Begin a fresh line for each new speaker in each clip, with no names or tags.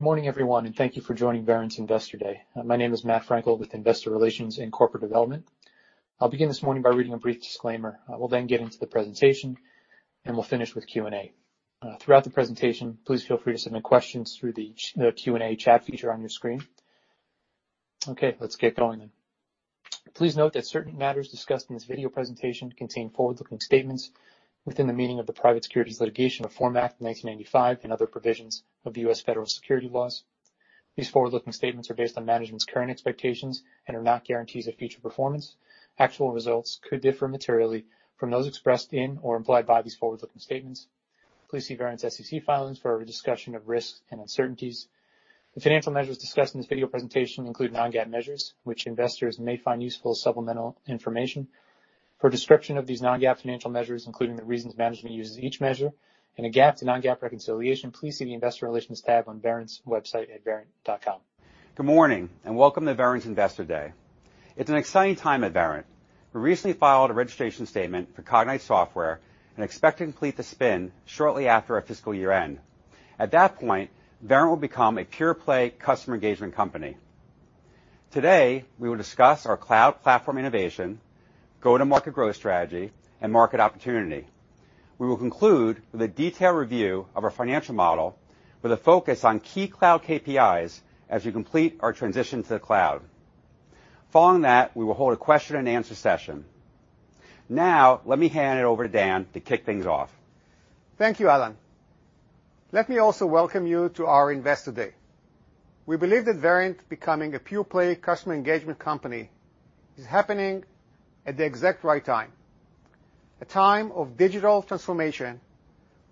Good morning, everyone, and thank you for joining Verint Investor Day. My name is Matt Frankel with Investor Relations and Corporate Development. I'll begin this morning by reading a brief disclaimer. We'll then get into the presentation, and we'll finish with Q&A. Throughout the presentation, please feel free to submit questions through the Q&A chat feature on your screen. Okay, let's get going then. Please note that certain matters discussed in this video presentation contain forward-looking statements within the meaning of the Private Securities Litigation Reform Act of 1995 and other provisions of U.S. federal securities laws. These forward-looking statements are based on management's current expectations and are not guarantees of future performance. Actual results could differ materially from those expressed in or implied by these forward-looking statements. Please see Verint's SEC filings for our discussion of risks and uncertainties. The financial measures discussed in this video presentation include non-GAAP measures, which investors may find useful as supplemental information. For a description of these non-GAAP financial measures, including the reasons management uses each measure and a GAAP to non-GAAP reconciliation, please see the Investor Relations tab on Verint's website at verint.com.
Good morning, and welcome to Verint's Investor Day. It's an exciting time at Verint. We recently filed a registration statement for Cognyte Software and expect to complete the spin shortly after our fiscal year end. At that point, Verint will become a pure-play customer engagement company. Today, we will discuss our cloud platform innovation, go-to-market growth strategy, and market opportunity. We will conclude with a detailed review of our financial model, with a focus on key cloud KPIs as we complete our transition to the cloud. Following that, we will hold a question-and-answer session. Now, let me hand it over to Dan to kick things off.
Thank you, Alan. Let me also welcome you to our Investor Day. We believe that Verint becoming a pure-play customer engagement company is happening at the exact right time, a time of digital transformation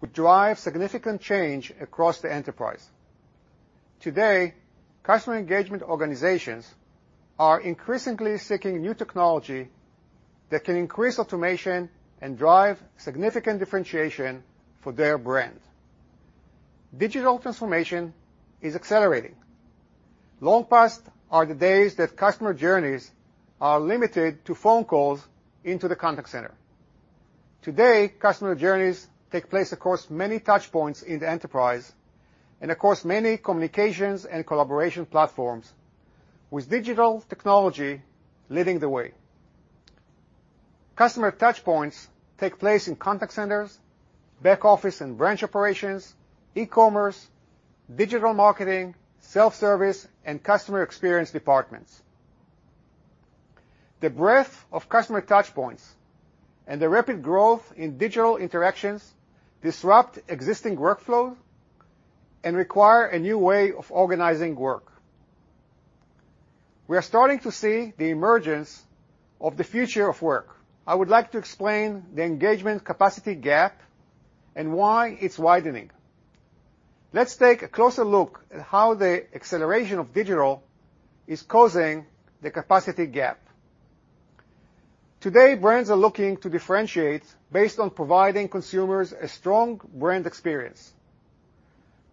which drives significant change across the enterprise. Today, customer engagement organizations are increasingly seeking new technology that can increase automation and drive significant differentiation for their brand. Digital transformation is accelerating. Long past are the days that customer journeys are limited to phone calls into the contact center. Today, customer journeys take place across many touchpoints in the enterprise and across many communications and collaboration platforms, with digital technology leading the way. Customer touchpoints take place in contact centers, back office and branch operations, e-commerce, digital marketing, self-service, and customer experience departments. The breadth of customer touchpoints and the rapid growth in digital interactions disrupt existing workflows and require a new way of organizing work. We are starting to see the emergence of the future of work. I would like to explain the engagement capacity gap and why it's widening. Let's take a closer look at how the acceleration of digital is causing the capacity gap. Today, brands are looking to differentiate based on providing consumers a strong brand experience,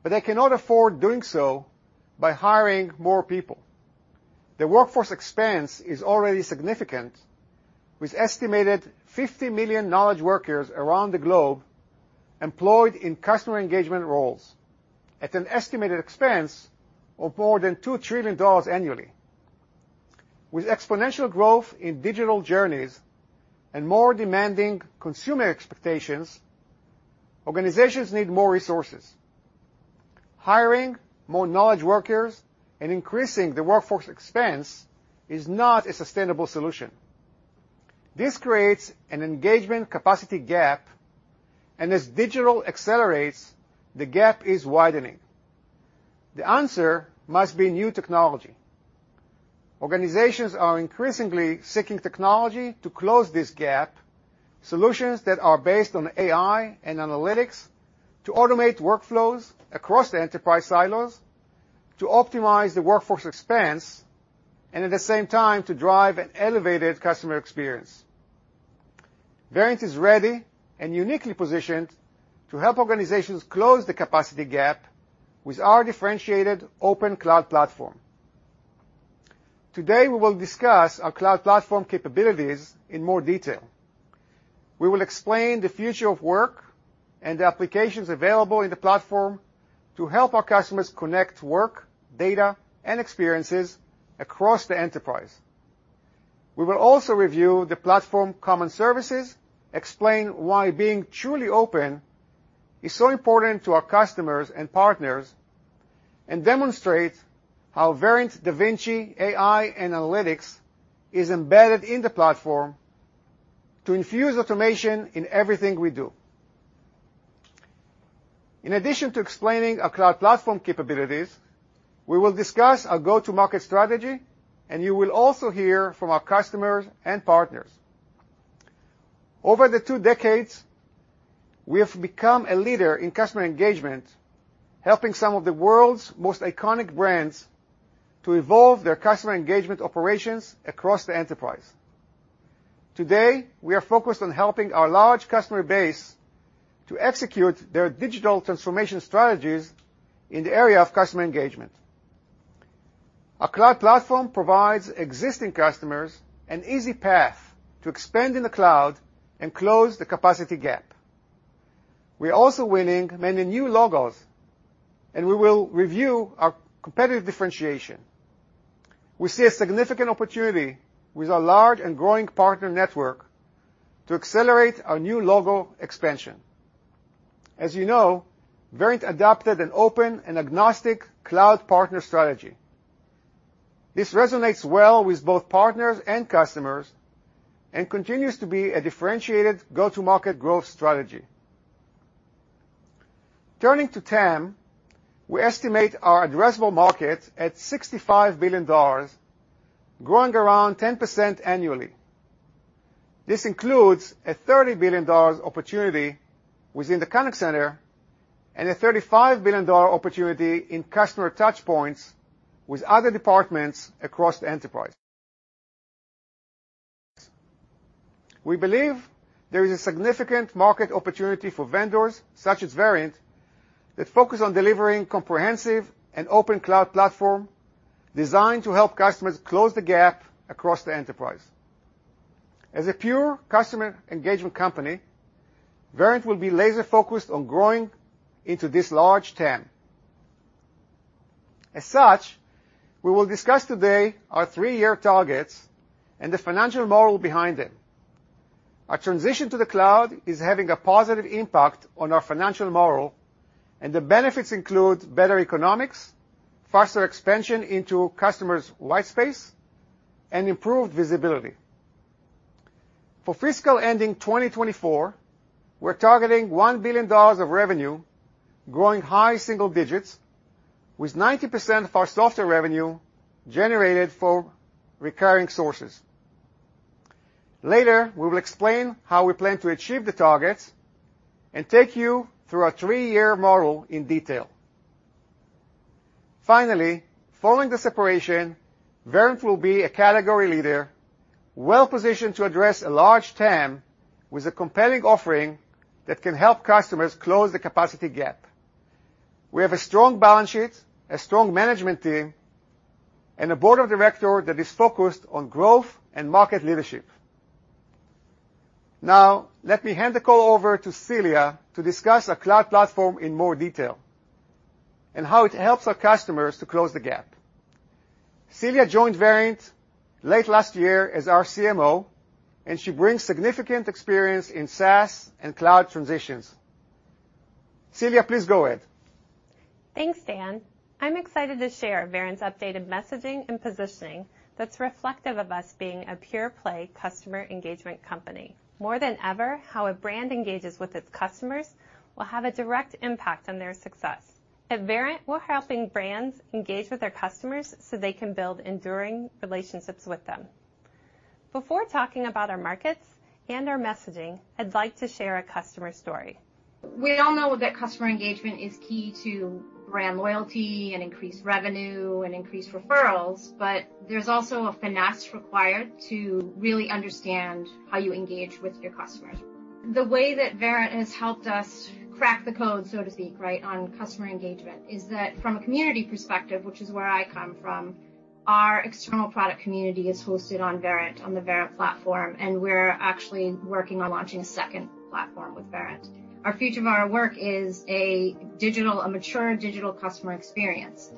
but they cannot afford doing so by hiring more people. The workforce expense is already significant, with an estimated 50 million knowledge workers around the globe employed in customer engagement roles at an estimated expense of more than $2 trillion annually. With exponential growth in digital journeys and more demanding consumer expectations, organizations need more resources. Hiring more knowledge workers and increasing the workforce expense is not a sustainable solution. This creates an engagement capacity gap, and as digital accelerates, the gap is widening. The answer must be new technology. Organizations are increasingly seeking technology to close this gap, solutions that are based on AI and analytics to automate workflows across the enterprise silos, to optimize the workforce expense, and at the same time, to drive an elevated customer experience. Verint is ready and uniquely positioned to help organizations close the capacity gap with our differentiated open cloud platform. Today, we will discuss our cloud platform capabilities in more detail. We will explain the future of work and the applications available in the platform to help our customers connect work, data, and experiences across the enterprise. We will also review the platform common services, explain why being truly open is so important to our customers and partners, and demonstrate how Verint DaVinci AI and Analytics is embedded in the platform to infuse automation in everything we do. In addition to explaining our cloud platform capabilities, we will discuss our go-to-market strategy, and you will also hear from our customers and partners. Over the two decades, we have become a leader in customer engagement, helping some of the world's most iconic brands to evolve their customer engagement operations across the enterprise. Today, we are focused on helping our large customer base to execute their digital transformation strategies in the area of customer engagement. Our cloud platform provides existing customers an easy path to expand in the cloud and close the capacity gap. We are also winning many new logos, and we will review our competitive differentiation. We see a significant opportunity with our large and growing partner network to accelerate our new logo expansion. As you know, Verint adopted an open and agnostic cloud partner strategy. This resonates well with both partners and customers and continues to be a differentiated go-to-market growth strategy. Turning to TAM, we estimate our addressable market at $65 billion, growing around 10% annually. This includes a $30 billion opportunity within the contact center and a $35 billion opportunity in customer touchpoints with other departments across the enterprise. We believe there is a significant market opportunity for vendors such as Verint that focus on delivering a comprehensive and open cloud platform designed to help customers close the gap across the enterprise. As a pure customer engagement company, Verint will be laser-focused on growing into this large TAM. As such, we will discuss today our three-year targets and the financial model behind them. Our transition to the cloud is having a positive impact on our financial model, and the benefits include better economics, faster expansion into customers' white space, and improved visibility. For fiscal ending 2024, we're targeting $1 billion of revenue, growing high single digits, with 90% of our software revenue generated from recurring sources. Later, we will explain how we plan to achieve the targets and take you through our three-year model in detail. Finally, following the separation, Verint will be a category leader, well-positioned to address a large TAM with a compelling offering that can help customers close the capacity gap. We have a strong balance sheet, a strong management team, and a board of directors that is focused on growth and market leadership. Now, let me hand the call over to Celia to discuss our cloud platform in more detail and how it helps our customers to close the gap. Celia joined Verint late last year as our CMO, and she brings significant experience in SaaS and cloud transitions. Celia, please go ahead.
Thanks, Dan. I'm excited to share Verint's updated messaging and positioning that's reflective of us being a pure-play customer engagement company. More than ever, how a brand engages with its customers will have a direct impact on their success. At Verint, we're helping brands engage with their customers so they can build enduring relationships with them. Before talking about our markets and our messaging, I'd like to share a customer story.
We all know that customer engagement is key to brand loyalty and increased revenue and increased referrals, but there's also a finesse required to really understand how you engage with your customers. The way that Verint has helped us crack the code, so to speak, right, on customer engagement is that from a community perspective, which is where I come from, our external product community is hosted on Verint, on the Verint platform, and we're actually working on launching a second platform with Verint. Our future of our work is a digital, a mature digital customer experience,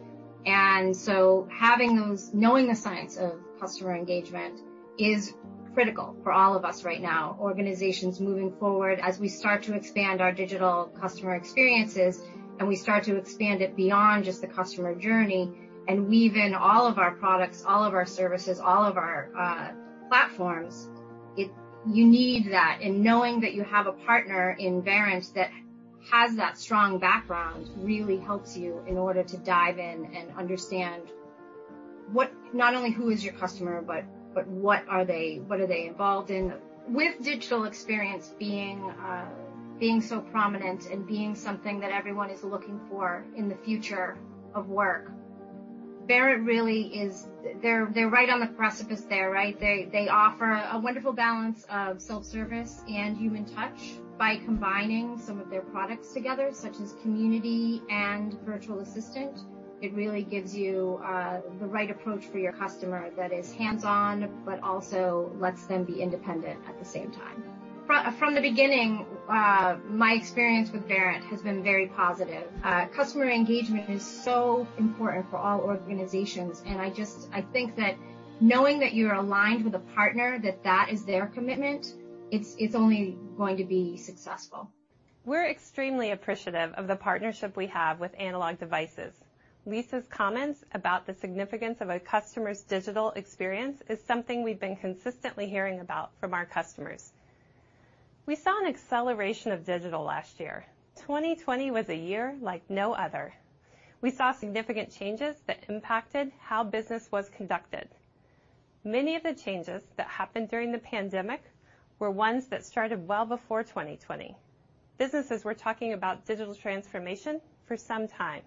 and so having those, knowing the science of customer engagement is critical for all of us right now. Organizations moving forward, as we start to expand our digital customer experiences and we start to expand it beyond just the customer journey and weave in all of our products, all of our services, all of our platforms, you need that. And knowing that you have a partner in Verint that has that strong background really helps you in order to dive in and understand not only who is your customer, but what are they involved in. With digital experience being so prominent and being something that everyone is looking for in the future of work, Verint really is, they're right on the precipice there, right? They offer a wonderful balance of self-service and human touch by combining some of their products together, such as community and virtual assistant. It really gives you the right approach for your customer that is hands-on, but also lets them be independent at the same time. From the beginning, my experience with Verint has been very positive. Customer engagement is so important for all organizations, and I just, I think that knowing that you're aligned with a partner, that that is their commitment, it's only going to be successful.
We're extremely appreciative of the partnership we have with Analog Devices. Lisa's comments about the significance of a customer's digital experience is something we've been consistently hearing about from our customers. We saw an acceleration of digital last year. 2020 was a year like no other. We saw significant changes that impacted how business was conducted. Many of the changes that happened during the pandemic were ones that started well before 2020. Businesses were talking about digital transformation for some time.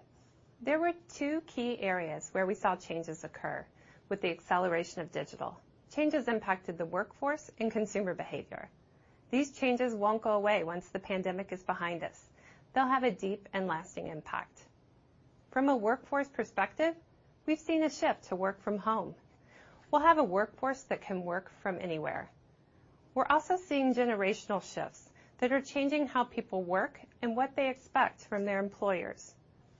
There were two key areas where we saw changes occur with the acceleration of digital. Changes impacted the workforce and consumer behavior. These changes won't go away once the pandemic is behind us. They'll have a deep and lasting impact. From a workforce perspective, we've seen a shift to work from home. We'll have a workforce that can work from anywhere. We're also seeing generational shifts that are changing how people work and what they expect from their employers.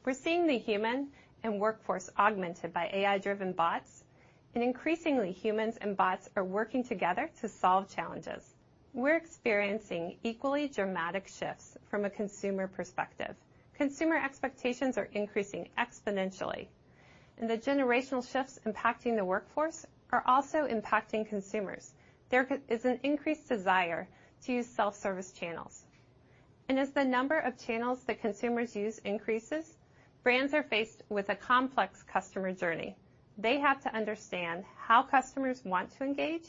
We're seeing the human and workforce augmented by AI-driven bots, and increasingly, humans and bots are working together to solve challenges. We're experiencing equally dramatic shifts from a consumer perspective. Consumer expectations are increasing exponentially, and the generational shifts impacting the workforce are also impacting consumers. There is an increased desire to use self-service channels. And as the number of channels that consumers use increases, brands are faced with a complex customer journey. They have to understand how customers want to engage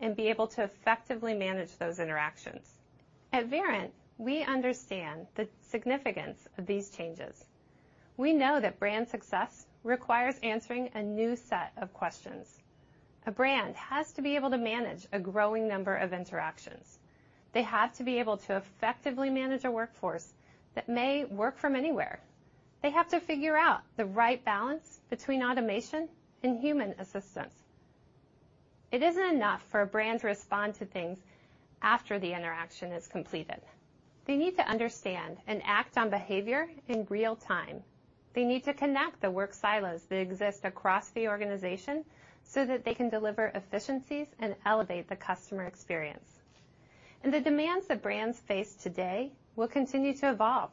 and be able to effectively manage those interactions. At Verint, we understand the significance of these changes. We know that brand success requires answering a new set of questions. A brand has to be able to manage a growing number of interactions. They have to be able to effectively manage a workforce that may work from anywhere. They have to figure out the right balance between automation and human assistance. It isn't enough for a brand to respond to things after the interaction is completed. They need to understand and act on behavior in real time. They need to connect the work silos that exist across the organization so that they can deliver efficiencies and elevate the customer experience, and the demands that brands face today will continue to evolve.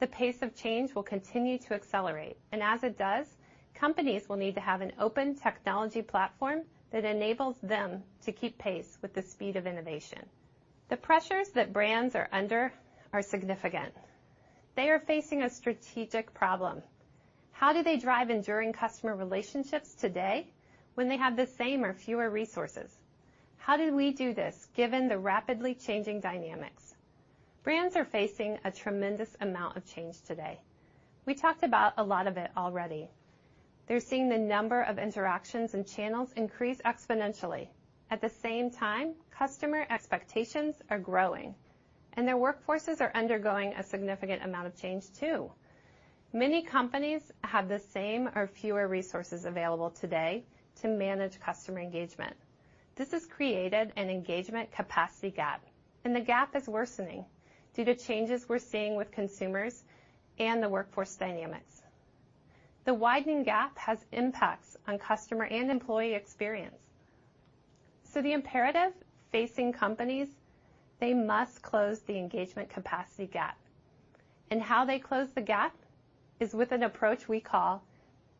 The pace of change will continue to accelerate, and as it does, companies will need to have an open technology platform that enables them to keep pace with the speed of innovation. The pressures that brands are under are significant. They are facing a strategic problem. How do they drive enduring customer relationships today when they have the same or fewer resources? How do we do this given the rapidly changing dynamics? Brands are facing a tremendous amount of change today. We talked about a lot of it already. They're seeing the number of interactions and channels increase exponentially. At the same time, customer expectations are growing, and their workforces are undergoing a significant amount of change too. Many companies have the same or fewer resources available today to manage customer engagement. This has created an engagement capacity gap, and the gap is worsening due to changes we're seeing with consumers and the workforce dynamics. The widening gap has impacts on customer and employee experience. So the imperative facing companies, they must close the engagement capacity gap. And how they close the gap is with an approach we call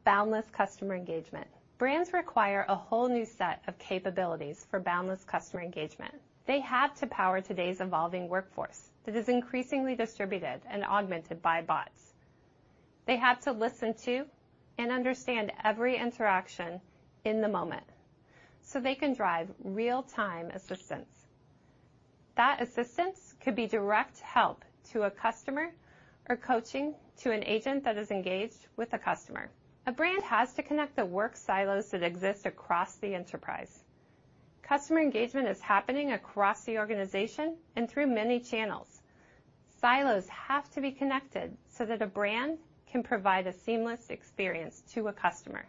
boundless customer engagement. Brands require a whole new set of capabilities for boundless customer engagement. They have to power today's evolving workforce that is increasingly distributed and augmented by bots. They have to listen to and understand every interaction in the moment so they can drive real-time assistance. That assistance could be direct help to a customer or coaching to an agent that is engaged with a customer. A brand has to connect the work silos that exist across the enterprise. Customer engagement is happening across the organization and through many channels. Silos have to be connected so that a brand can provide a seamless experience to a customer.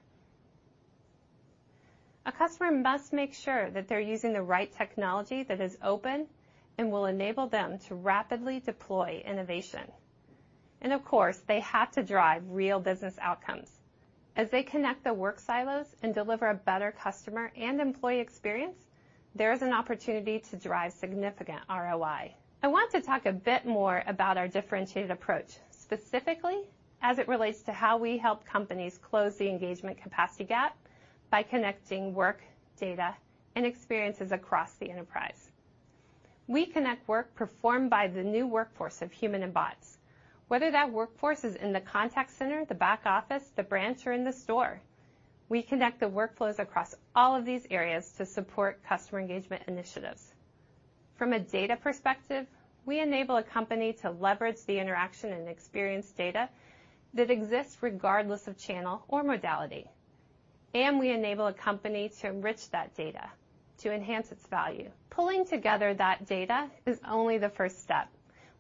A customer must make sure that they're using the right technology that is open and will enable them to rapidly deploy innovation. And of course, they have to drive real business outcomes. As they connect the work silos and deliver a better customer and employee experience, there is an opportunity to drive significant ROI. I want to talk a bit more about our differentiated approach, specifically as it relates to how we help companies close the engagement capacity gap by connecting work, data, and experiences across the enterprise. We connect work performed by the new workforce of human and bots. Whether that workforce is in the contact center, the back office, the branch, or in the store, we connect the workflows across all of these areas to support customer engagement initiatives. From a data perspective, we enable a company to leverage the interaction and experience data that exists regardless of channel or modality, and we enable a company to enrich that data to enhance its value. Pulling together that data is only the first step.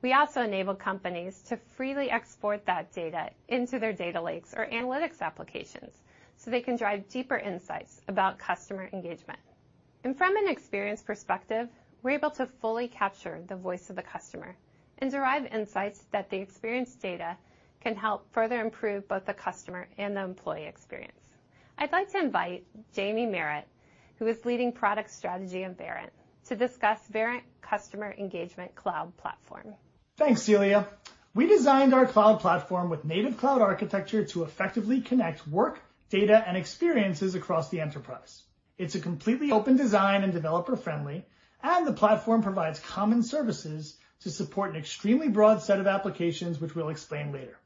We also enable companies to freely export that data into their data lakes or analytics applications so they can drive deeper insights about customer engagement. From an experience perspective, we're able to fully capture the voice of the customer and derive insights that the experience data can help further improve both the customer and the employee experience. I'd like to invite Jaime Meritt, who is leading product strategy at Verint, to discuss Verint Customer Engagement Cloud Platform.
Thanks, Celia. We designed our cloud platform with native cloud architecture to effectively connect work, data, and experiences across the enterprise. It's a completely open design and developer-friendly, and the platform provides common services to support an extremely broad set of applications, which we'll explain later.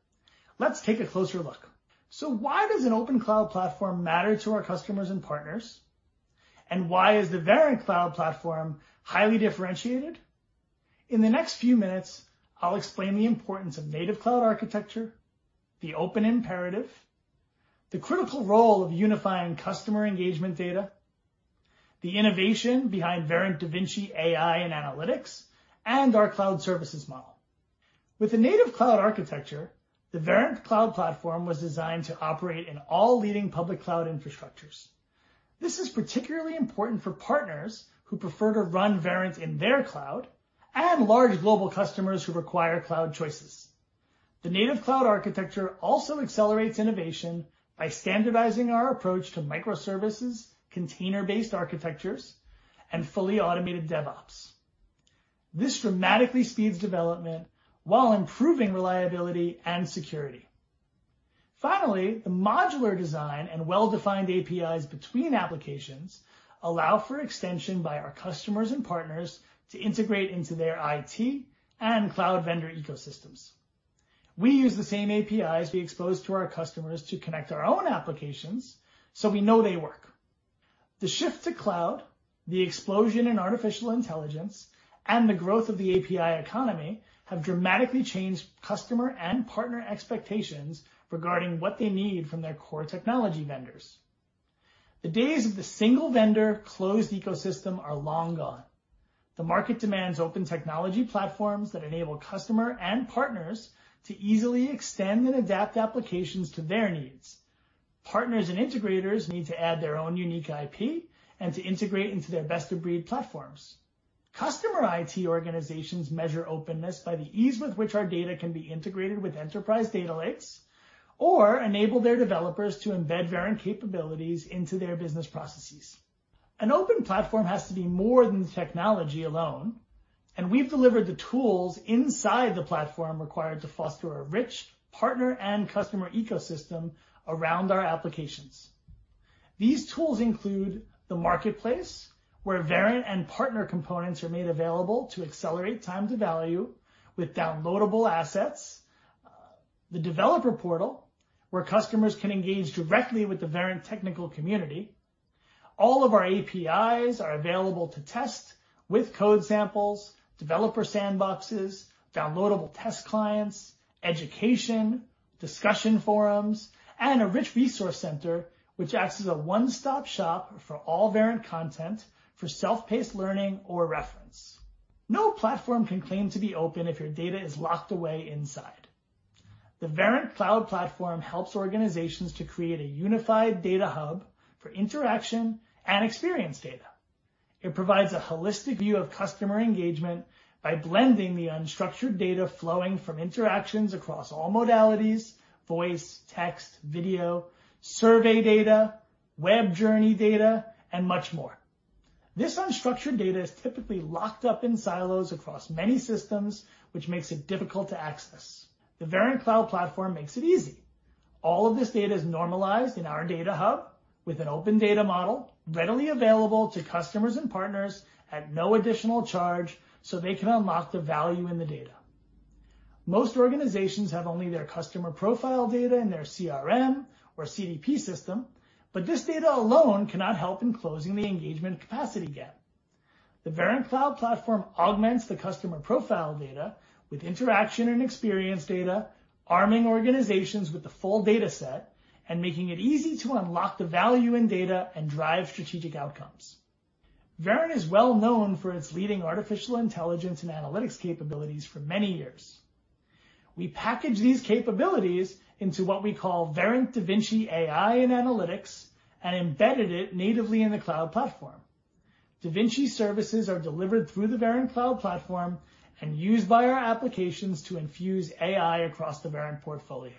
Let's take a closer look. So why does an open cloud platform matter to our customers and partners? And why is the Verint Cloud Platform highly differentiated? In the next few minutes, I'll explain the importance of native cloud architecture, the open imperative, the critical role of unifying customer engagement data, the innovation behind Verint DaVinci AI and Analytics, and our cloud services model. With a native cloud architecture, the Verint Cloud Platform was designed to operate in all leading public cloud infrastructures. This is particularly important for partners who prefer to run Verint in their cloud and large global customers who require cloud choices. The native cloud architecture also accelerates innovation by standardizing our approach to microservices, container-based architectures, and fully automated DevOps. This dramatically speeds development while improving reliability and security. Finally, the modular design and well-defined APIs between applications allow for extension by our customers and partners to integrate into their IT and cloud vendor ecosystems. We use the same APIs we exposed to our customers to connect our own applications so we know they work. The shift to cloud, the explosion in artificial intelligence, and the growth of the API economy have dramatically changed customer and partner expectations regarding what they need from their core technology vendors. The days of the single vendor closed ecosystem are long gone. The market demands open technology platforms that enable customers and partners to easily extend and adapt applications to their needs. Partners and integrators need to add their own unique IP and to integrate into their best-of-breed platforms. Customer IT organizations measure openness by the ease with which our data can be integrated with enterprise data lakes or enable their developers to embed Verint capabilities into their business processes. An open platform has to be more than the technology alone, and we've delivered the tools inside the platform required to foster a rich partner and customer ecosystem around our applications. These tools include the marketplace, where Verint and partner components are made available to accelerate time to value with downloadable assets. The developer portal, where customers can engage directly with the Verint technical community. All of our APIs are available to test with code samples, developer sandboxes, downloadable test clients, education, discussion forums, and a rich resource center, which acts as a one-stop shop for all Verint content for self-paced learning or reference. No platform can claim to be open if your data is locked away inside. The Verint Cloud Platform helps organizations to create a unified data hub for interaction and experience data. It provides a holistic view of customer engagement by blending the unstructured data flowing from interactions across all modalities: voice, text, video, survey data, web journey data, and much more. This unstructured data is typically locked up in silos across many systems, which makes it difficult to access. The Verint Cloud Platform makes it easy. All of this data is normalized in our data hub with an open data model readily available to customers and partners at no additional charge so they can unlock the value in the data. Most organizations have only their customer profile data in their CRM or CDP system, but this data alone cannot help in closing the engagement capacity gap. The Verint Cloud Platform augments the customer profile data with interaction and experience data, arming organizations with the full data set and making it easy to unlock the value in data and drive strategic outcomes. Verint is well known for its leading artificial intelligence and analytics capabilities for many years. We packaged these capabilities into what we call Verint DaVinci AI and Analytics and embedded it natively in the Cloud Platform. DaVinci services are delivered through the Verint Cloud Platform and used by our applications to infuse AI across the Verint portfolio.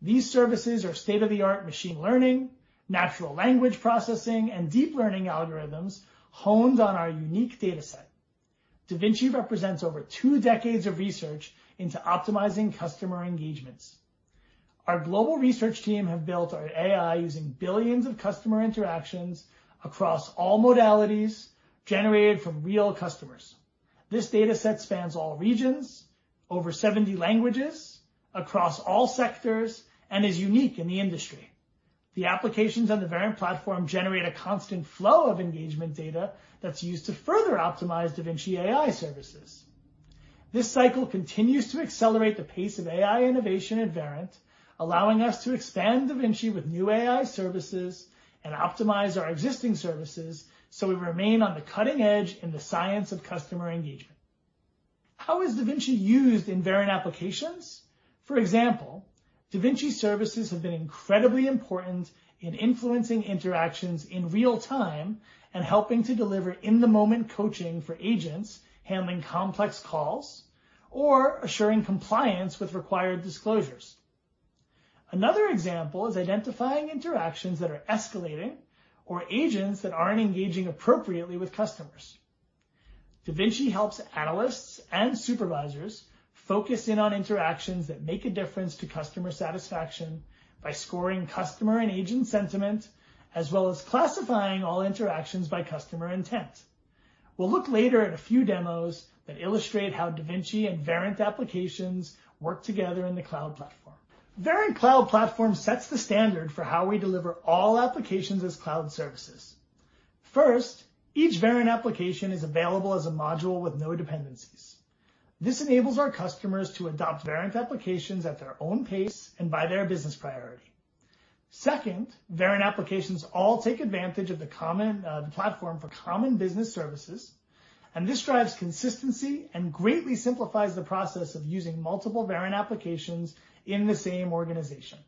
These services are state-of-the-art machine learning, natural language processing, and deep learning algorithms honed on our unique data set. DaVinci represents over two decades of research into optimizing customer engagements. Our global research team has built our AI using billions of customer interactions across all modalities generated from real customers. This data set spans all regions, over 70 languages, across all sectors, and is unique in the industry. The applications on the Verint platform generate a constant flow of engagement data that's used to further optimize DaVinci AI services. This cycle continues to accelerate the pace of AI innovation at Verint, allowing us to expand DaVinci with new AI services and optimize our existing services so we remain on the cutting edge in the science of customer engagement. How is DaVinci used in Verint applications? For example, DaVinci services have been incredibly important in influencing interactions in real time and helping to deliver in-the-moment coaching for agents handling complex calls or assuring compliance with required disclosures. Another example is identifying interactions that are escalating or agents that aren't engaging appropriately with customers. DaVinci helps analysts and supervisors focus in on interactions that make a difference to customer satisfaction by scoring customer and agent sentiment, as well as classifying all interactions by customer intent. We'll look later at a few demos that illustrate how DaVinci and Verint applications work together in the cloud platform. Verint Cloud Platform sets the standard for how we deliver all applications as cloud services. First, each Verint application is available as a module with no dependencies. This enables our customers to adopt Verint applications at their own pace and by their business priority. Second, Verint applications all take advantage of the platform for common business services, and this drives consistency and greatly simplifies the process of using multiple Verint applications in the same organization.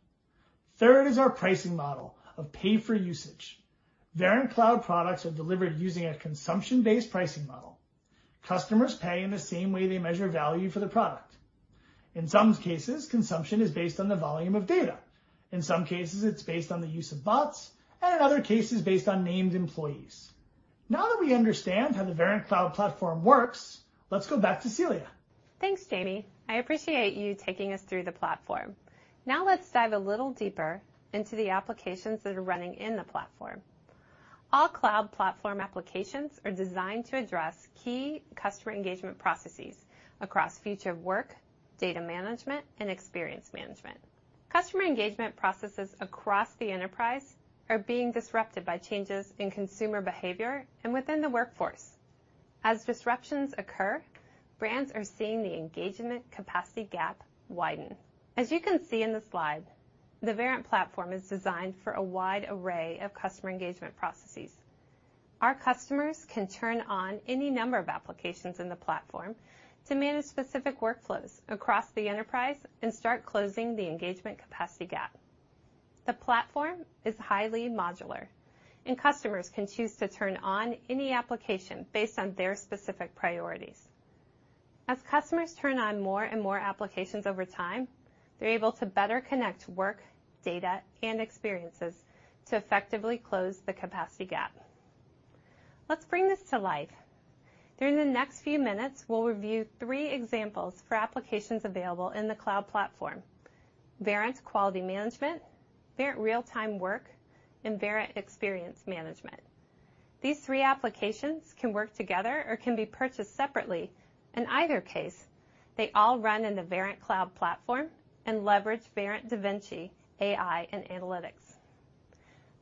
Third is our pricing model of pay-for-usage. Verint Cloud products are delivered using a consumption-based pricing model. Customers pay in the same way they measure value for the product. In some cases, consumption is based on the volume of data. In some cases, it's based on the use of bots, and in other cases, based on named employee. Now that we understand how the Verint Cloud Platform works, let's go back to Celia.
Thanks, Jaime. I appreciate you taking us through the platform. Now let's dive a little deeper into the applications that are running in the platform. All cloud platform applications are designed to address key customer engagement processes across future work, data management, and experience management. Customer engagement processes across the enterprise are being disrupted by changes in consumer behavior and within the workforce. As disruptions occur, brands are seeing the engagement capacity gap widen. As you can see in the slide, the Verint platform is designed for a wide array of customer engagement processes. Our customers can turn on any number of applications in the platform to manage specific workflows across the enterprise and start closing the engagement capacity gap. The platform is highly modular, and customers can choose to turn on any application based on their specific priorities. As customers turn on more and more applications over time, they're able to better connect work, data, and experiences to effectively close the capacity gap. Let's bring this to life. During the next few minutes, we'll review three examples for applications available in the cloud platform: Verint Quality Management, Verint Real-Time Work, and Verint Experience Management. These three applications can work together or can be purchased separately. In either case, they all run in the Verint Cloud Platform and leverage Verint DaVinci AI and analytics.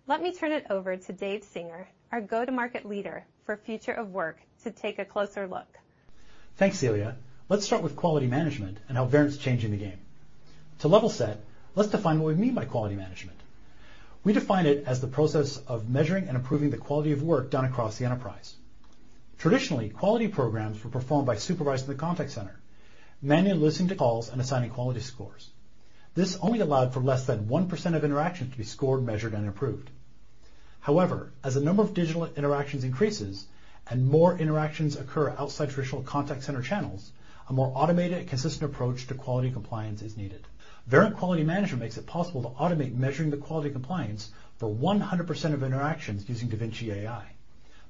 Let me turn it over to Dave Singer, our go-to-market leader for future of work, to take a closer look.
Thanks, Celia. Let's start with quality management and how Verint's changing the game. To level set, let's define what we mean by quality management. We define it as the process of measuring and improving the quality of work done across the enterprise. Traditionally, quality programs were performed by supervising the contact center, manually listening to calls, and assigning quality scores. This only allowed for less than 1% of interactions to be scored, measured, and improved. However, as the number of digital interactions increases and more interactions occur outside traditional contact center channels, a more automated and consistent approach to quality compliance is needed. Verint Quality Management makes it possible to automate measuring the quality compliance for 100% of interactions using DaVinci AI.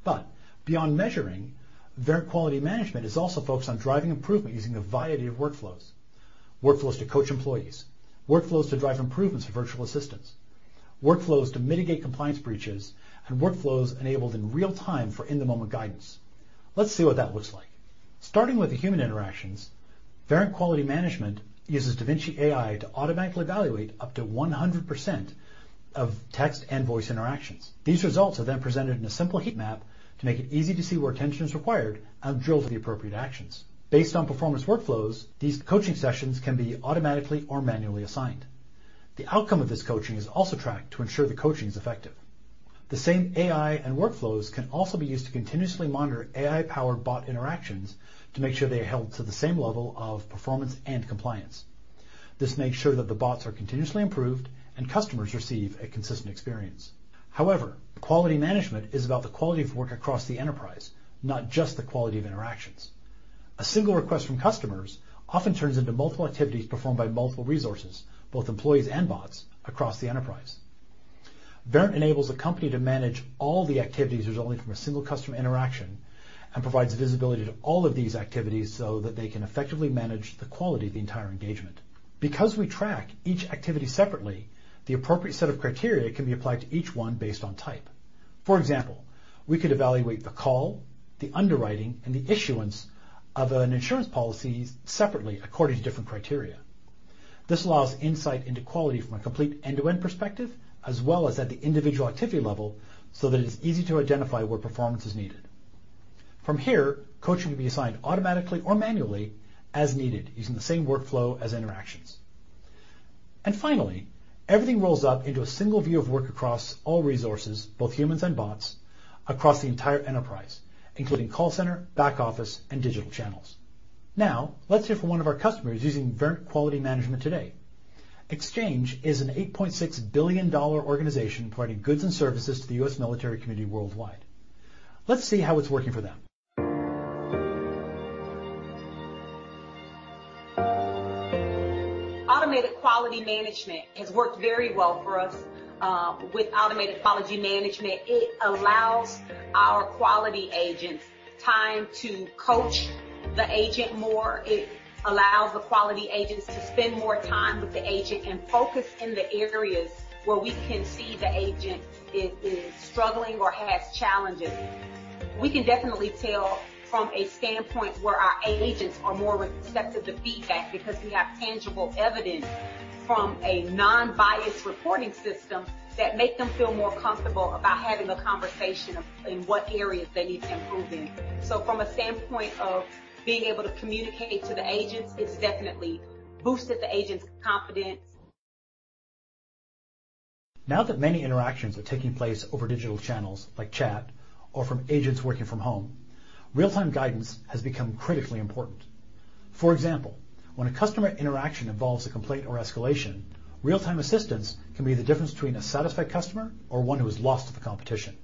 But beyond measuring, Verint Quality Management is also focused on driving improvement using a variety of workflows: workflows to coach employees, workflows to drive improvements for virtual assistants, workflows to mitigate compliance breaches, and workflows enabled in real time for in-the-moment guidance. Let's see what that looks like. Starting with the human interactions, Verint Quality Management uses DaVinci AI to automatically evaluate up to 100% of text and voice interactions. These results are then presented in a simple heat map to make it easy to see where attention is required and drill to the appropriate actions. Based on performance workflows, these coaching sessions can be automatically or manually assigned. The outcome of this coaching is also tracked to ensure the coaching is effective. The same AI and workflows can also be used to continuously monitor AI-powered bot interactions to make sure they are held to the same level of performance and compliance. This makes sure that the bots are continuously improved and customers receive a consistent experience. However, quality management is about the quality of work across the enterprise, not just the quality of interactions. A single request from customers often turns into multiple activities performed by multiple resources, both employees and bots, across the enterprise. Verint enables a company to manage all the activities resulting from a single customer interaction and provides visibility to all of these activities so that they can effectively manage the quality of the entire engagement. Because we track each activity separately, the appropriate set of criteria can be applied to each one based on type. For example, we could evaluate the call, the underwriting, and the issuance of an insurance policy separately according to different criteria. This allows insight into quality from a complete end-to-end perspective, as well as at the individual activity level, so that it is easy to identify where performance is needed. From here, coaching can be assigned automatically or manually as needed using the same workflow as interactions, and finally, everything rolls up into a single view of work across all resources, both humans and bots, across the entire enterprise, including call center, back office, and digital channels. Now, let's hear from one of our customers using Verint Quality Management today. The Exchange is an $8.6 billion organization providing goods and services to the U.S. military community worldwide. Let's see how it's working for them. Automated quality management has worked very well for us with automated quality management. It allows our quality agents time to coach the agent more. It allows the quality agents to spend more time with the agent and focus in the areas where we can see the agent is struggling or has challenges. We can definitely tell from a standpoint where our agents are more receptive to feedback because we have tangible evidence from a non-biased reporting system that makes them feel more comfortable about having a conversation in what areas they need to improve in. So from a standpoint of being able to communicate to the agents, it's definitely boosted the agents' confidence. Now that many interactions are taking place over digital channels like chat or from agents working from home, real-time guidance has become critically important. For example, when a customer interaction involves a complaint or escalation, real-time assistance can be the difference between a satisfied customer or one who is lost to the competition.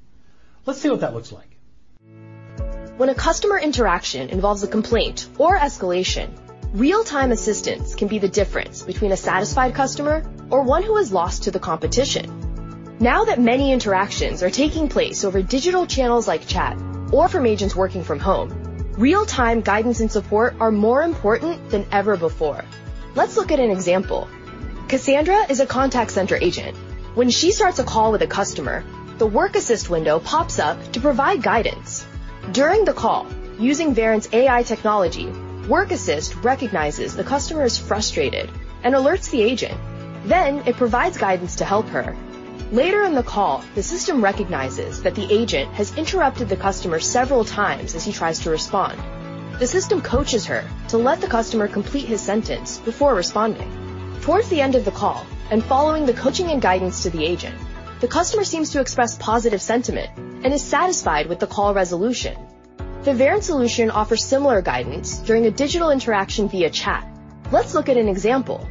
Let's see what that looks like. When a customer interaction involves a complaint or escalation, real-time assistance can be the difference between a satisfied customer or one who is lost to the competition. Now that many interactions are taking place over digital channels like chat or from agents working from home, real-time guidance and support are more important than ever before. Let's look at an example. Cassandra is a contact center agent. When she starts a call with a customer, the Work Assist window pops up to provide guidance. During the call, using Verint's AI technology, Work Assist recognizes the customer is frustrated and alerts the agent. Then it provides guidance to help her. Later in the call, the system recognizes that the agent has interrupted the customer several times as he tries to respond. The system coaches her to let the customer complete his sentence before responding. Toward the end of the call and following the coaching and guidance to the agent, the customer seems to express positive sentiment and is satisfied with the call resolution. The Verint solution offers similar guidance during a digital interaction via chat. Let's look at an example.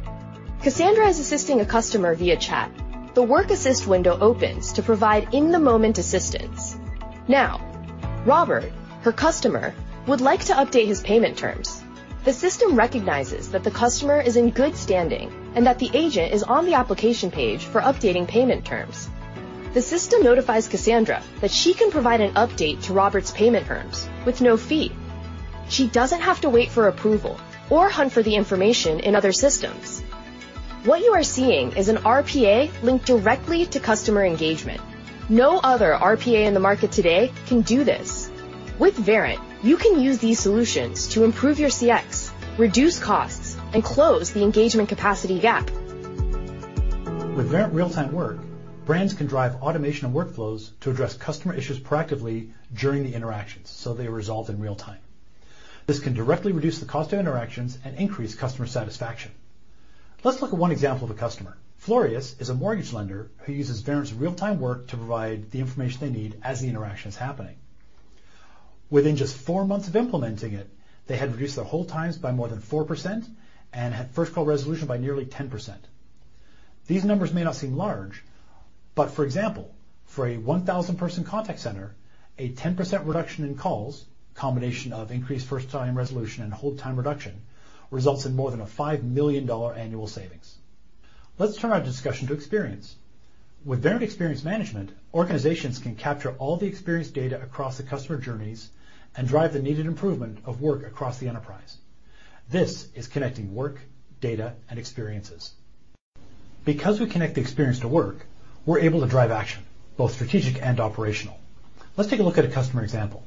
Cassandra is assisting a customer via chat. The Work Assist window opens to provide in-the-moment assistance. Now, Robert, her customer, would like to update his payment terms. The system recognizes that the customer is in good standing and that the agent is on the application page for updating payment terms. The system notifies Cassandra that she can provide an update to Robert's payment terms with no fee. She doesn't have to wait for approval or hunt for the information in other systems. What you are seeing is an RPA linked directly to customer engagement. No other RPA in the market today can do this. With Verint, you can use these solutions to improve your CX, reduce costs, and close the engagement capacity gap. With Verint Real-Time Work, brands can drive automation of workflows to address customer issues proactively during the interactions so they result in real time. This can directly reduce the cost of interactions and increase customer satisfaction. Let's look at one example of a customer. Florius is a mortgage lender who uses Verint's Real-Time Work to provide the information they need as the interaction is happening. Within just four months of implementing it, they had reduced their hold times by more than 4% and had first call resolution by nearly 10%. These numbers may not seem large, but for example, for a 1,000-person contact center, a 10% reduction in calls, a combination of increased first time resolution and hold time reduction, results in more than a $5 million annual savings. Let's turn our discussion to experience. With Verint Experience Management, organizations can capture all the experience data across the customer journeys and drive the needed improvement of work across the enterprise. This is connecting work, data, and experiences. Because we connect the experience to work, we're able to drive action, both strategic and operational. Let's take a look at a customer example.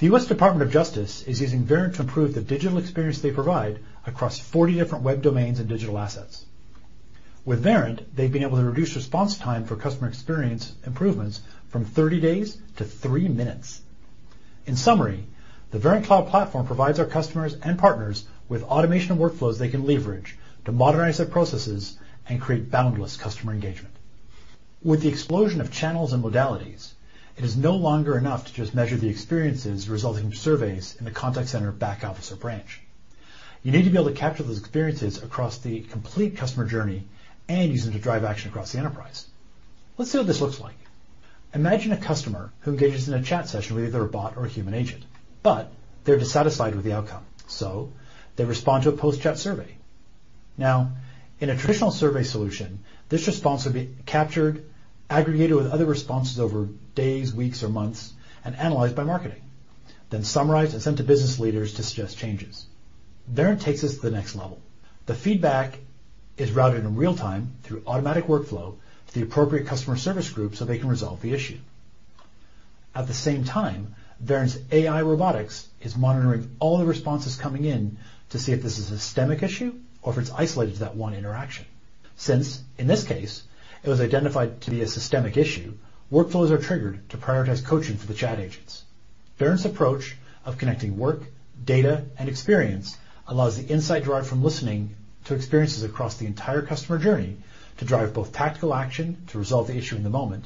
The U.S. Department of Justice is using Verint to improve the digital experience they provide across 40 different web domains and digital assets. With Verint, they've been able to reduce response time for customer experience improvements from 30 days to three minutes. In summary, the Verint Cloud Platform provides our customers and partners with automation workflows they can leverage to modernize their processes and create Boundless Customer Engagement. With the explosion of channels and modalities, it is no longer enough to just measure the experiences resulting from surveys in the contact center, back office, or branch. You need to be able to capture those experiences across the complete customer journey and use them to drive action across the enterprise. Let's see what this looks like. Imagine a customer who engages in a chat session with either a bot or a human agent, but they're dissatisfied with the outcome, so they respond to a post-chat survey. Now, in a traditional survey solution, this response would be captured, aggregated with other responses over days, weeks, or months, and analyzed by marketing, then summarized and sent to business leaders to suggest changes. Verint takes this to the next level. The feedback is routed in real time through automatic workflow to the appropriate customer service group so they can resolve the issue. At the same time, Verint's AI robotics is monitoring all the responses coming in to see if this is a systemic issue or if it's isolated to that one interaction. Since, in this case, it was identified to be a systemic issue, workflows are triggered to prioritize coaching for the chat agents. Verint's approach of connecting work, data, and experience allows the insight derived from listening to experiences across the entire customer journey to drive both tactical action to resolve the issue in the moment,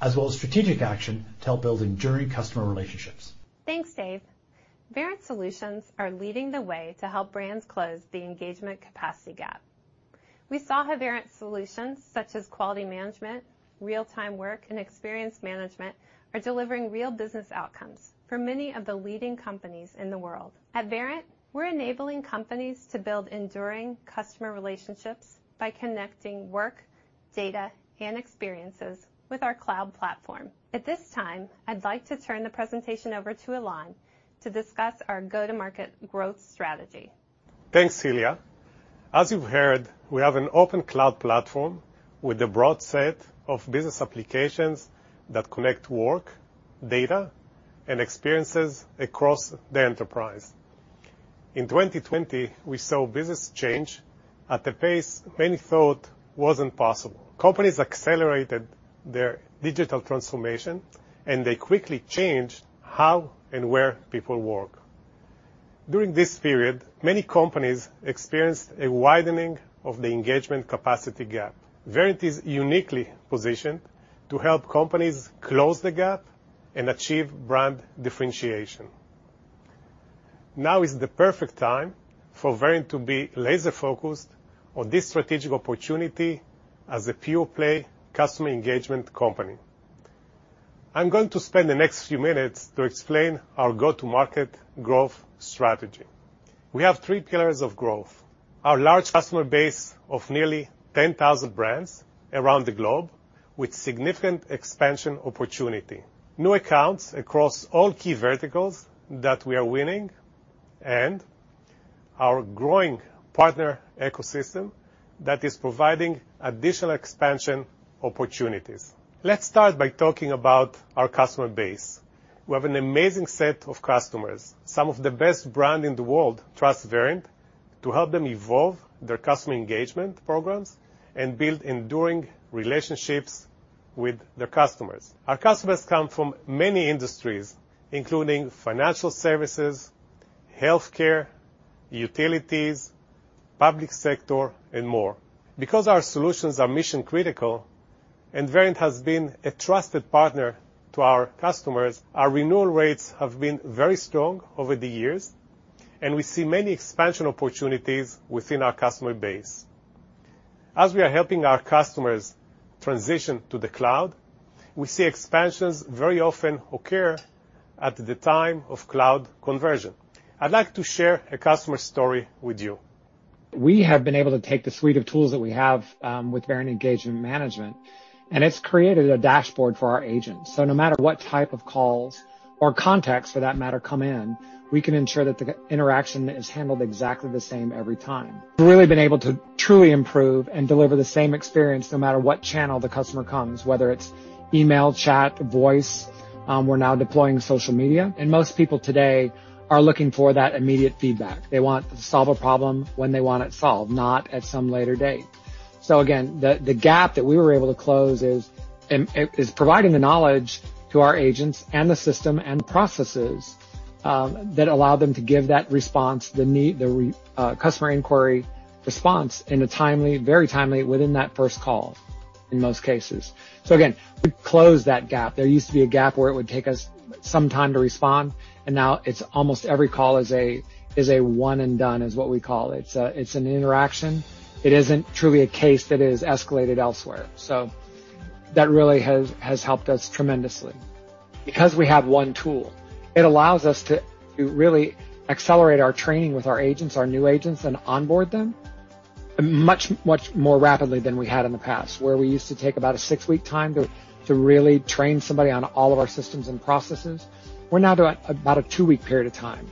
as well as strategic action to help build enduring customer relationships.
Thanks, Dave. Verint solutions are leading the way to help brands close the engagement capacity gap. We saw how Verint solutions such as quality management, real-time work, and experience management are delivering real business outcomes for many of the leading companies in the world. At Verint, we're enabling companies to build enduring customer relationships by connecting work, data, and experiences with our cloud platform. At this time, I'd like to turn the presentation over to Elan to discuss our go-to-market growth strategy.
Thanks, Celia. As you've heard, we have an open cloud platform with a broad set of business applications that connect work, data, and experiences across the enterprise. In 2020, we saw business change at a pace many thought wasn't possible. Companies accelerated their digital transformation, and they quickly changed how and where people work. During this period, many companies experienced a widening of the engagement capacity gap. Verint is uniquely positioned to help companies close the gap and achieve brand differentiation. Now is the perfect time for Verint to be laser-focused on this strategic opportunity as a pure-play customer engagement company. I'm going to spend the next few minutes to explain our go-to-market growth strategy. We have three pillars of growth: our large customer base of nearly 10,000 brands around the globe with significant expansion opportunity, new accounts across all key verticals that we are winning, and our growing partner ecosystem that is providing additional expansion opportunities. Let's start by talking about our customer base. We have an amazing set of customers, some of the best brands in the world trust Verint to help them evolve their customer engagement programs and build enduring relationships with their customers. Our customers come from many industries, including financial services, healthcare, utilities, public sector, and more. Because our solutions are mission-critical and Verint has been a trusted partner to our customers, our renewal rates have been very strong over the years, and we see many expansion opportunities within our customer base. As we are helping our customers transition to the cloud, we see expansions very often occur at the time of cloud conversion. I'd like to share a customer story with you. We have been able to take the suite of tools that we have with Verint Engagement Management, and it's created a dashboard for our agents. So no matter what type of calls or contacts, for that matter, come in, we can ensure that the interaction is handled exactly the same every time. We've really been able to truly improve and deliver the same experience no matter what channel the customer comes, whether it's email, chat, voice. We're now deploying social media, and most people today are looking for that immediate feedback. They want to solve a problem when they want it solved, not at some later date. So again, the gap that we were able to close is providing the knowledge to our agents and the system and processes that allow them to give that response, the customer inquiry response in a timely, very timely within that first call in most cases. So again, we've closed that gap. There used to be a gap where it would take us some time to respond, and now it's almost every call is a one-and-done, is what we call it. It's an interaction. It isn't truly a case that is escalated elsewhere. So that really has helped us tremendously. Because we have one tool, it allows us to really accelerate our training with our agents, our new agents, and onboard them much, much more rapidly than we had in the past, where we used to take about a six-week time to really train somebody on all of our systems and processes. We're now doing about a two-week period of time,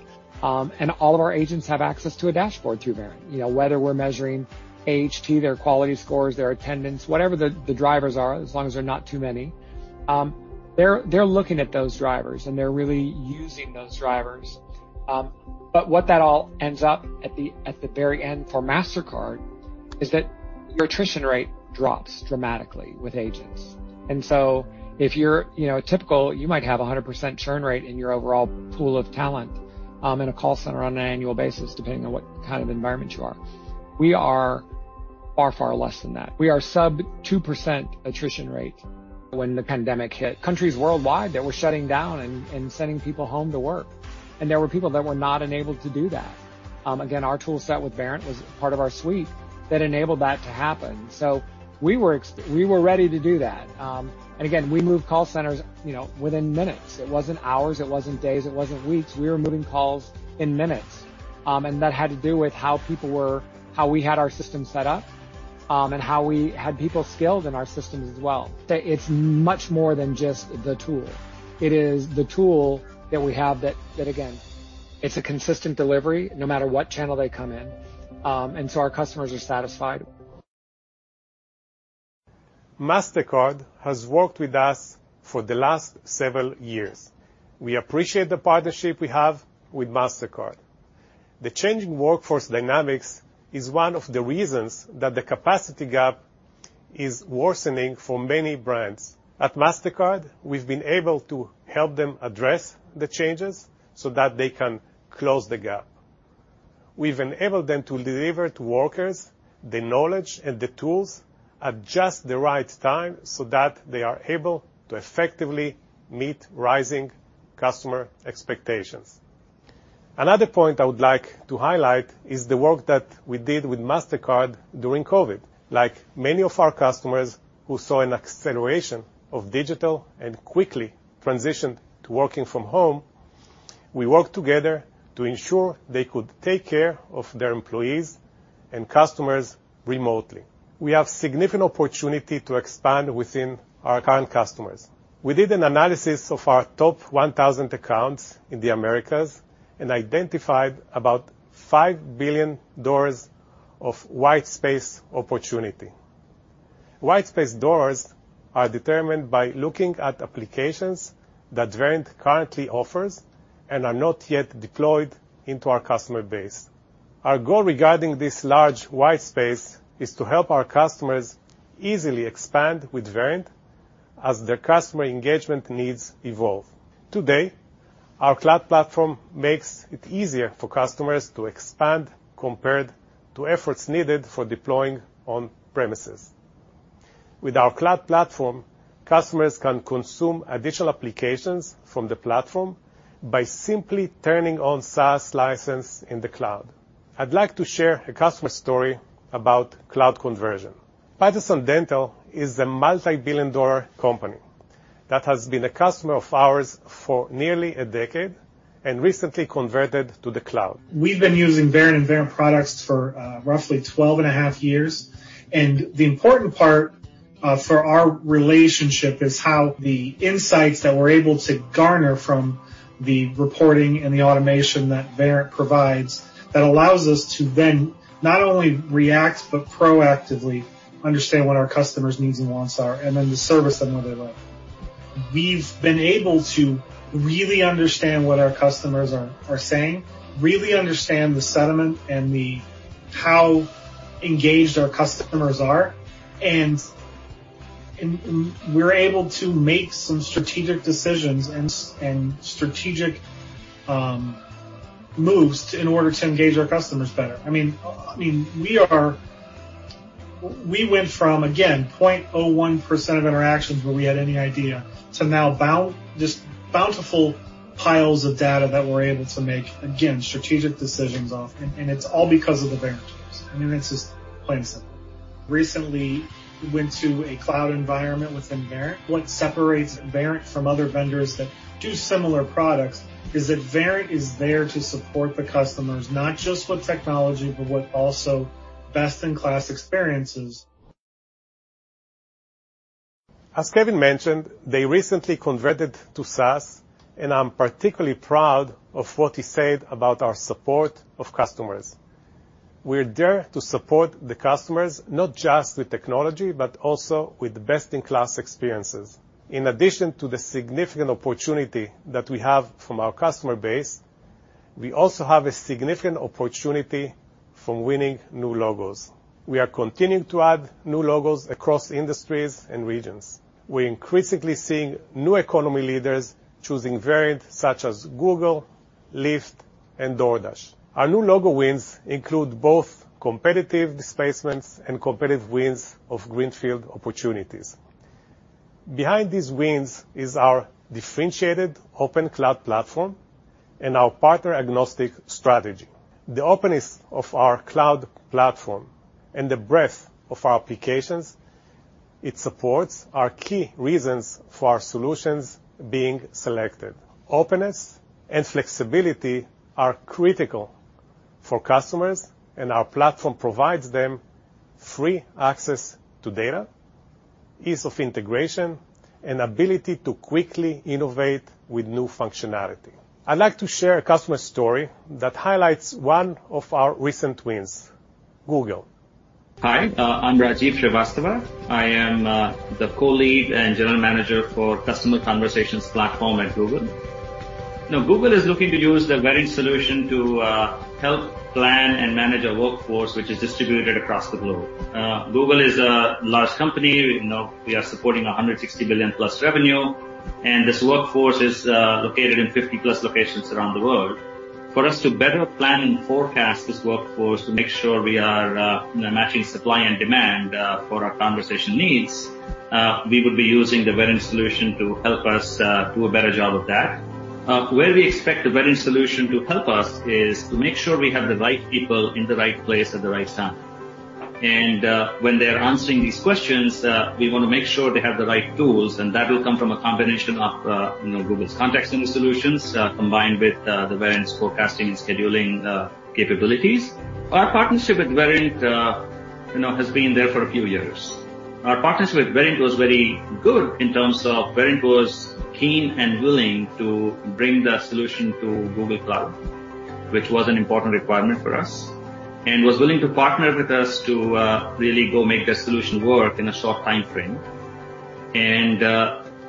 and all of our agents have access to a dashboard through Verint, whether we're measuring HT, their quality scores, their attendance, whatever the drivers are, as long as they're not too many. They're looking at those drivers, and they're really using those drivers. But what that all ends up at the very end for Mastercard is that your attrition rate drops dramatically with agents. And so if you're typical, you might have a 100% churn rate in your overall pool of talent in a call center on an annual basis, depending on what kind of environment you are. We are far, far less than that. We are sub-2% attrition rate when the pandemic hit. Countries worldwide that were shutting down and sending people home to work, and there were people that were not enabled to do that. Again, our tool set with Verint was part of our suite that enabled that to happen. So we were ready to do that. And again, we moved call centers within minutes. It wasn't hours, it wasn't days, it wasn't weeks. We were moving calls in minutes, and that had to do with how people were, how we had our system set up, and how we had people skilled in our systems as well. It's much more than just the tool. It is the tool that we have that, again, it's a consistent delivery no matter what channel they come in, and so our customers are satisfied. Mastercard has worked with us for the last several years. We appreciate the partnership we have with Mastercard. The changing workforce dynamics is one of the reasons that the capacity gap is worsening for many brands. At Mastercard, we've been able to help them address the changes so that they can close the gap. We've enabled them to deliver to workers the knowledge and the tools at just the right time so that they are able to effectively meet rising customer expectations. Another point I would like to highlight is the work that we did with Mastercard during COVID. Like many of our customers who saw an acceleration of digital and quickly transitioned to working from home, we worked together to ensure they could take care of their employees and customers remotely. We have significant opportunity to expand within our current customers. We did an analysis of our top 1,000 accounts in the Americas and identified about $5 billion of white space opportunity. White space opportunities are determined by looking at applications that Verint currently offers and are not yet deployed into our customer base. Our goal regarding this large white space is to help our customers easily expand with Verint as their customer engagement needs evolve. Today, our cloud platform makes it easier for customers to expand compared to efforts needed for deploying on premises. With our cloud platform, customers can consume additional applications from the platform by simply turning on SaaS license in the cloud. I'd like to share a customer story about cloud conversion. Patterson Dental is a multi-billion-dollar company that has been a customer of ours for nearly a decade and recently converted to the cloud.
We've been using Verint and Verint products for roughly 12 and a half years, and the important part for our relationship is how the insights that we're able to garner from the reporting and the automation that Verint provides that allows us to then not only react, but proactively understand what our customers' needs and wants are, and then to service them where they live. We've been able to really understand what our customers are saying, really understand the sentiment and how engaged our customers are, and we're able to make some strategic decisions and strategic moves in order to engage our customers better. I mean, we went from, again, 0.01% of interactions where we had any idea to now just bountiful piles of data that we're able to make, again, strategic decisions off, and it's all because of the Verint tools. I mean, it's just plain and simple. Recently went to a cloud environment within Verint. What separates Verint from other vendors that do similar products is that Verint is there to support the customers, not just with technology, but with also best-in-class experiences.
As Kevin mentioned, they recently converted to SaaS, and I'm particularly proud of what he said about our support of customers. We're there to support the customers not just with technology, but also with best-in-class experiences. In addition to the significant opportunity that we have from our customer base, we also have a significant opportunity from winning new logos. We are continuing to add new logos across industries and regions. We're increasingly seeing new economy leaders choosing Verint such as Google, Lyft, and DoorDash. Our new logo wins include both competitive displacements and competitive wins of greenfield opportunities. Behind these wins is our differentiated open cloud platform and our partner agnostic strategy. The openness of our cloud platform and the breadth of our applications supports our key reasons for our solutions being selected. Openness and flexibility are critical for customers, and our platform provides them free access to data, ease of integration, and ability to quickly innovate with new functionality. I'd like to share a customer story that highlights one of our recent wins, Google.
Hi, I'm Rajiv Shrivastava. I am the co-lead and general manager for Customer Conversations Platform at Google. Now, Google is looking to use the Verint solution to help plan and manage a workforce which is distributed across the globe. Google is a large company. We are supporting $160 billion-plus revenue, and this workforce is located in 50-plus locations around the world. For us to better plan and forecast this workforce to make sure we are matching supply and demand for our conversation needs, we would be using the Verint solution to help us do a better job of that. Where we expect the Verint solution to help us is to make sure we have the right people in the right place at the right time. When they're answering these questions, we want to make sure they have the right tools, and that will come from a combination of Google's contact center solutions combined with Verint's forecasting and scheduling capabilities. Our partnership with Verint has been there for a few years. Our partnership with Verint was very good in terms of Verint was keen and willing to bring the solution to Google Cloud, which was an important requirement for us, and was willing to partner with us to really go make the solution work in a short time frame and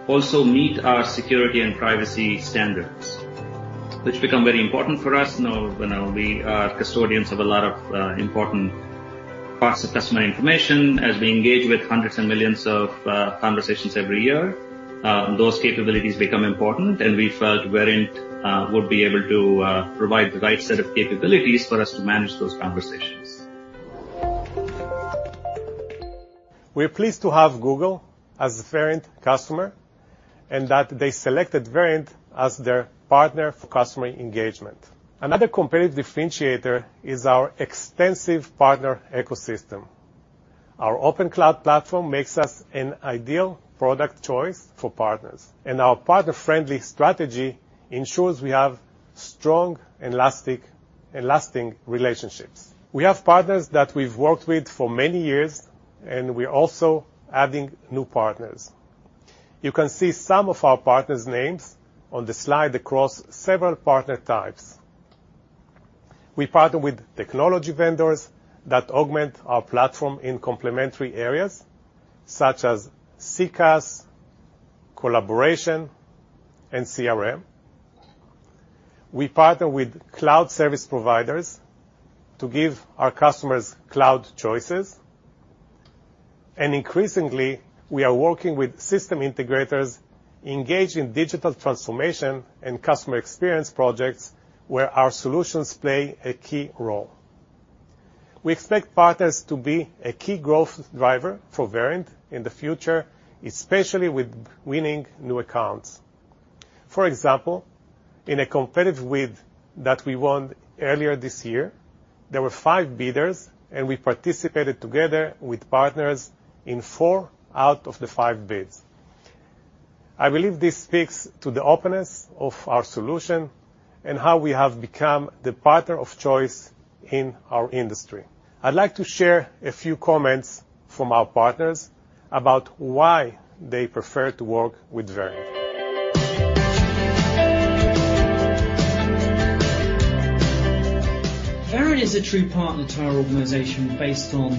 also meet our security and privacy standards, which become very important for us. We are custodians of a lot of important parts of customer information. As we engage with hundreds of millions of conversations every year, those capabilities become important, and we felt Verint would be able to provide the right set of capabilities for us to manage those conversations.
We're pleased to have Google as a Verint customer and that they selected Verint as their partner for customer engagement. Another competitive differentiator is our extensive partner ecosystem. Our open cloud platform makes us an ideal product choice for partners, and our partner-friendly strategy ensures we have strong and lasting relationships. We have partners that we've worked with for many years, and we're also adding new partners. You can see some of our partners' names on the slide across several partner types. We partner with technology vendors that augment our platform in complementary areas such as CCaaS, collaboration, and CRM. We partner with cloud service providers to give our customers cloud choices, and increasingly, we are working with system integrators engaged in digital transformation and customer experience projects where our solutions play a key role. We expect partners to be a key growth driver for Verint in the future, especially with winning new accounts. For example, in a competitive bid that we won earlier this year, there were five bidders, and we participated together with partners in four out of the five bids. I believe this speaks to the openness of our solution and how we have become the partner of choice in our industry. I'd like to share a few comments from our partners about why they prefer to work with Verint. Verint is a true partner to our organization based on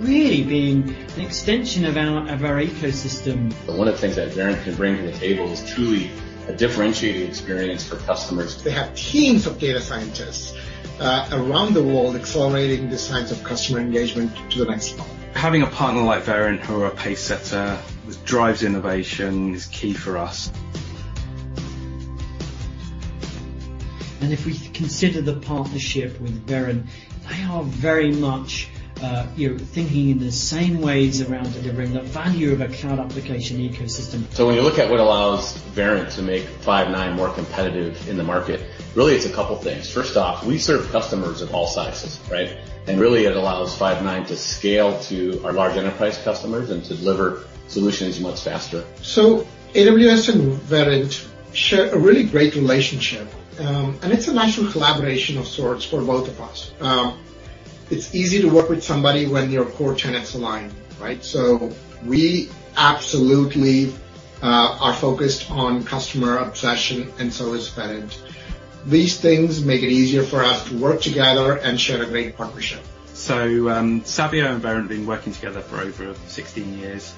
really being an extension of our ecosystem. One of the things that Verint can bring to the table is truly a differentiated experience for customers. They have teams of data scientists around the world accelerating the science of customer engagement to the next level. Having a partner like Verint who are a pacesetter which drives innovation is key for us. If we consider the partnership with Verint, they are very much thinking in the same ways around delivering the value of a cloud application ecosystem. So when you look at what allows Verint to make Five9 more competitive in the market, really it's a couple of things. First off, we serve customers of all sizes, right? And really it allows Five9 to scale to our large enterprise customers and to deliver solutions much faster. So AWS and Verint share a really great relationship, and it's a natural collaboration of sorts for both of us. It's easy to work with somebody when your core tenets align, right? So we absolutely are focused on customer obsession, and so is Verint. These things make it easier for us to work together and share a great partnership. Sabio and Verint have been working together for over 16 years,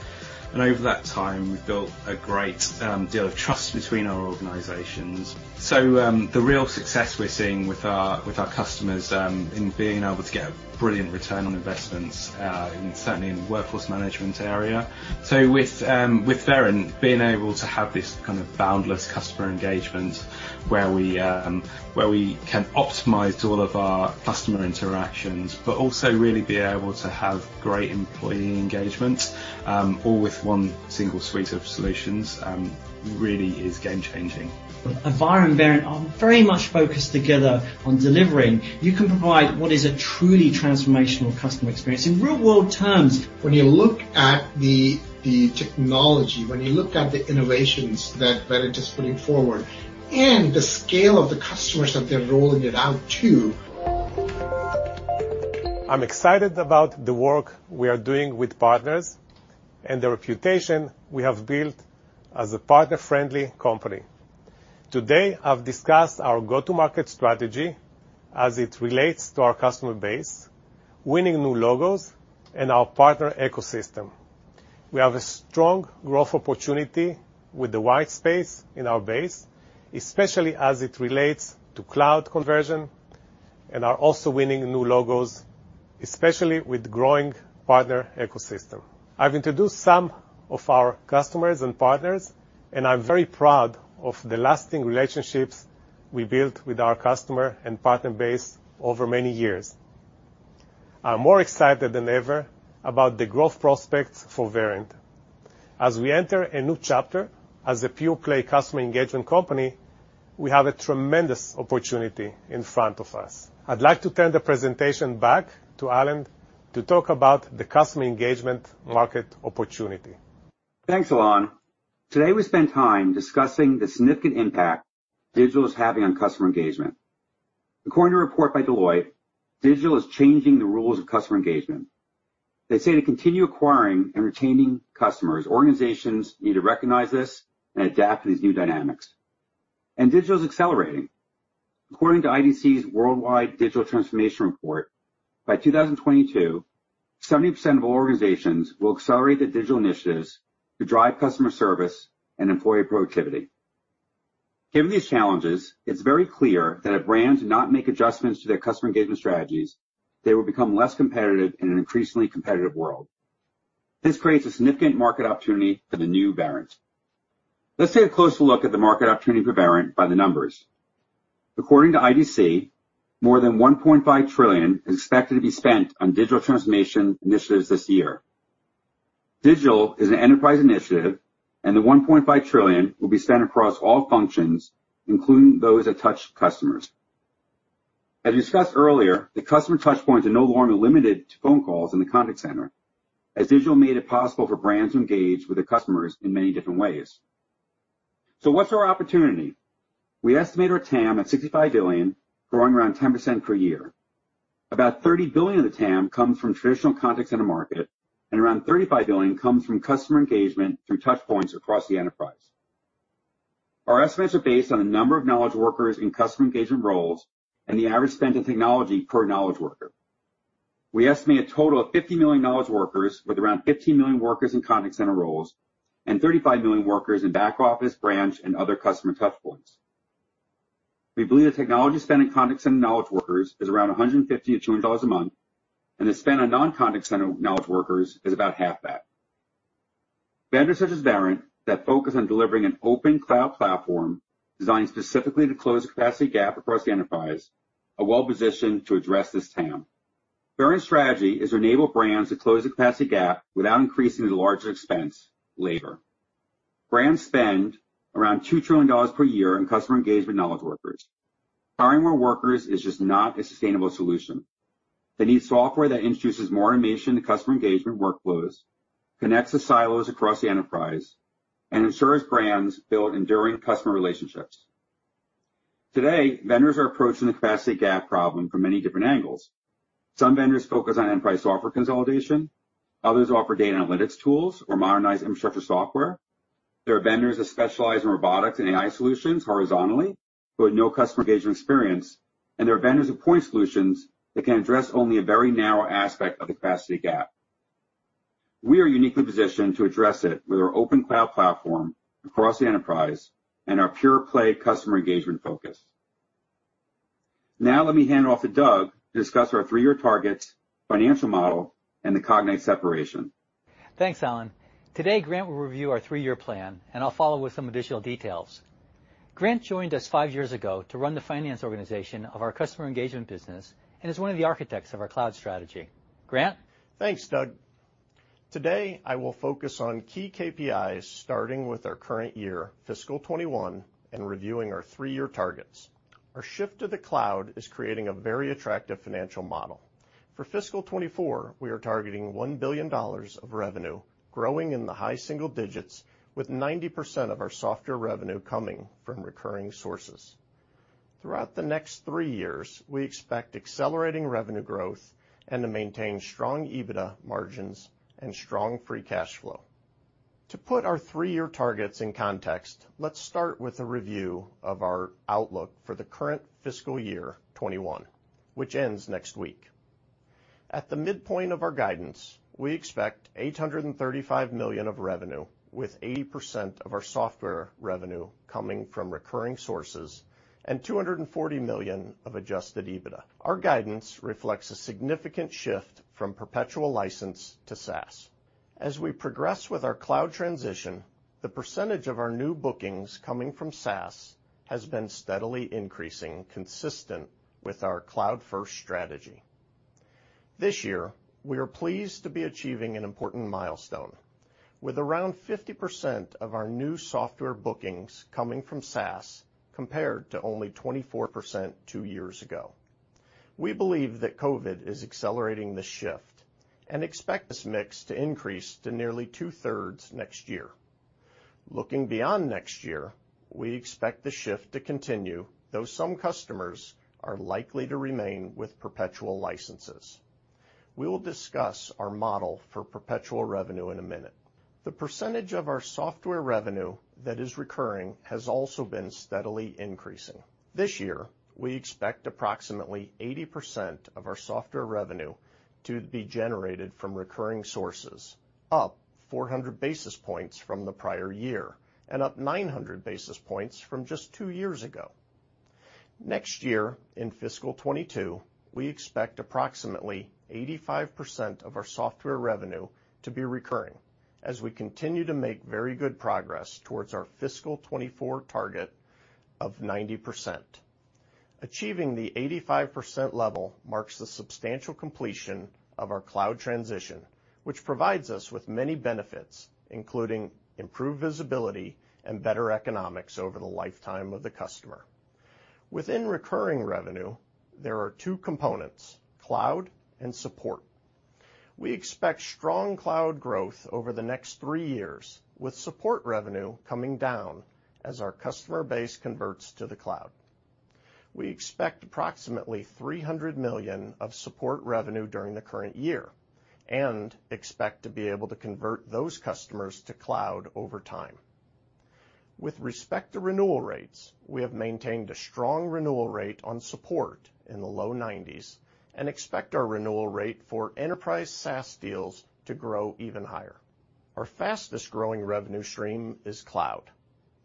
and over that time, we've built a great deal of trust between our organizations. The real success we're seeing with our customers in being able to get a brilliant return on investments, certainly in the workforce management area. With Verint, being able to have this kind of boundless customer engagement where we can optimize all of our customer interactions, but also really be able to have great employee engagement, all with one single suite of solutions, really is game-changing. Avaya and Verint are very much focused together on delivering. You can provide what is a truly transformational customer experience in real-world terms. When you look at the technology, when you look at the innovations that Verint is putting forward and the scale of the customers that they're rolling it out to. I'm excited about the work we are doing with partners and the reputation we have built as a partner-friendly company. Today, I've discussed our go-to-market strategy as it relates to our customer base, winning new logos, and our partner ecosystem. We have a strong growth opportunity with the white space in our base, especially as it relates to cloud conversion, and are also winning new logos, especially with the growing partner ecosystem. I've introduced some of our customers and partners, and I'm very proud of the lasting relationships we built with our customer and partner base over many years. I'm more excited than ever about the growth prospects for Verint. As we enter a new chapter as a pure-play customer engagement company, we have a tremendous opportunity in front of us. I'd like to turn the presentation back to Alan to talk about the customer engagement market opportunity.
Thanks, Elan. Today, we spent time discussing the significant impact digital is having on customer engagement. According to a report by Deloitte, digital is changing the rules of customer engagement. They say to continue acquiring and retaining customers, organizations need to recognize this and adapt to these new dynamics. And digital is accelerating. According to IDC's Worldwide Digital Transformation Report, by 2022, 70% of organizations will accelerate the digital initiatives to drive customer service and employee productivity. Given these challenges, it's very clear that if brands do not make adjustments to their customer engagement strategies, they will become less competitive in an increasingly competitive world. This creates a significant market opportunity for the new Verint. Let's take a closer look at the market opportunity for Verint by the numbers. According to IDC, more than $1.5 trillion is expected to be spent on digital transformation initiatives this year. Digital is an enterprise initiative, and the $1.5 trillion will be spent across all functions, including those that touch customers. As we discussed earlier, the customer touchpoints are no longer limited to phone calls in the contact center, as digital made it possible for brands to engage with their customers in many different ways. So what's our opportunity? We estimate our TAM at $65 billion, growing around 10% per year. About $30 billion of the TAM comes from traditional contact center market, and around $35 billion comes from customer engagement through touchpoints across the enterprise. Our estimates are based on the number of knowledge workers in customer engagement roles and the average spend of technology per knowledge worker. We estimate a total of 50 million knowledge workers with around 15 million workers in contact center roles and 35 million workers in back office, branch, and other customer touchpoints. We believe the technology spend in contact center knowledge workers is around $150-$200 a month, and the spend on non-contact center knowledge workers is about half that. Vendors such as Verint that focus on delivering an open cloud platform designed specifically to close the capacity gap across the enterprise are well-positioned to address this TAM. Verint's strategy is to enable brands to close the capacity gap without increasing the larger expense labor. Brands spend around $2 trillion per year in customer engagement knowledge workers. Hiring more workers is just not a sustainable solution. They need software that introduces more automation to customer engagement workflows, connects the silos across the enterprise, and ensures brands build enduring customer relationships. Today, vendors are approaching the capacity gap problem from many different angles. Some vendors focus on enterprise software consolidation. Others offer data analytics tools or modernized infrastructure software. There are vendors that specialize in robotics and AI solutions horizontally but with no customer engagement experience, and there are vendors who provide point solutions that can address only a very narrow aspect of the capacity gap. We are uniquely positioned to address it with our open cloud platform across the enterprise and our pure-play customer engagement focus. Now, let me hand off to Doug to discuss our three-year targets, financial model, and the Cognyte separation.
Thanks, Alan. Today, Grant will review our three-year plan, and I'll follow with some additional details. Grant joined us five years ago to run the finance organization of our customer engagement business and is one of the architects of our cloud strategy. Grant?
Thanks, Doug. Today, I will focus on key KPIs starting with our current year, fiscal 2021, and reviewing our three-year targets. Our shift to the cloud is creating a very attractive financial model. For fiscal 2024, we are targeting $1 billion of revenue growing in the high single digits with 90% of our software revenue coming from recurring sources. Throughout the next three years, we expect accelerating revenue growth and to maintain strong EBITDA margins and strong free cash flow. To put our three-year targets in context, let's start with a review of our outlook for the current fiscal year 2021, which ends next week. At the midpoint of our guidance, we expect $835 million of revenue with 80% of our software revenue coming from recurring sources and $240 million of adjusted EBITDA. Our guidance reflects a significant shift from perpetual license to SaaS. As we progress with our cloud transition, the percentage of our new bookings coming from SaaS has been steadily increasing consistent with our cloud-first strategy. This year, we are pleased to be achieving an important milestone with around 50% of our new software bookings coming from SaaS compared to only 24% two years ago. We believe that COVID is accelerating this shift and expect this mix to increase to nearly two-thirds next year. Looking beyond next year, we expect the shift to continue, though some customers are likely to remain with perpetual licenses. We will discuss our model for perpetual revenue in a minute. The percentage of our software revenue that is recurring has also been steadily increasing. This year, we expect approximately 80% of our software revenue to be generated from recurring sources, up 400 basis points from the prior year and up 900 basis points from just two years ago. Next year, in fiscal 2022, we expect approximately 85% of our software revenue to be recurring as we continue to make very good progress towards our fiscal 2024 target of 90%. Achieving the 85% level marks the substantial completion of our cloud transition, which provides us with many benefits, including improved visibility and better economics over the lifetime of the customer. Within recurring revenue, there are two components: cloud and support. We expect strong cloud growth over the next three years, with support revenue coming down as our customer base converts to the cloud. We expect approximately $300 million of support revenue during the current year and expect to be able to convert those customers to cloud over time. With respect to renewal rates, we have maintained a strong renewal rate on support in the low 90s and expect our renewal rate for enterprise SaaS deals to grow even higher. Our fastest growing revenue stream is cloud.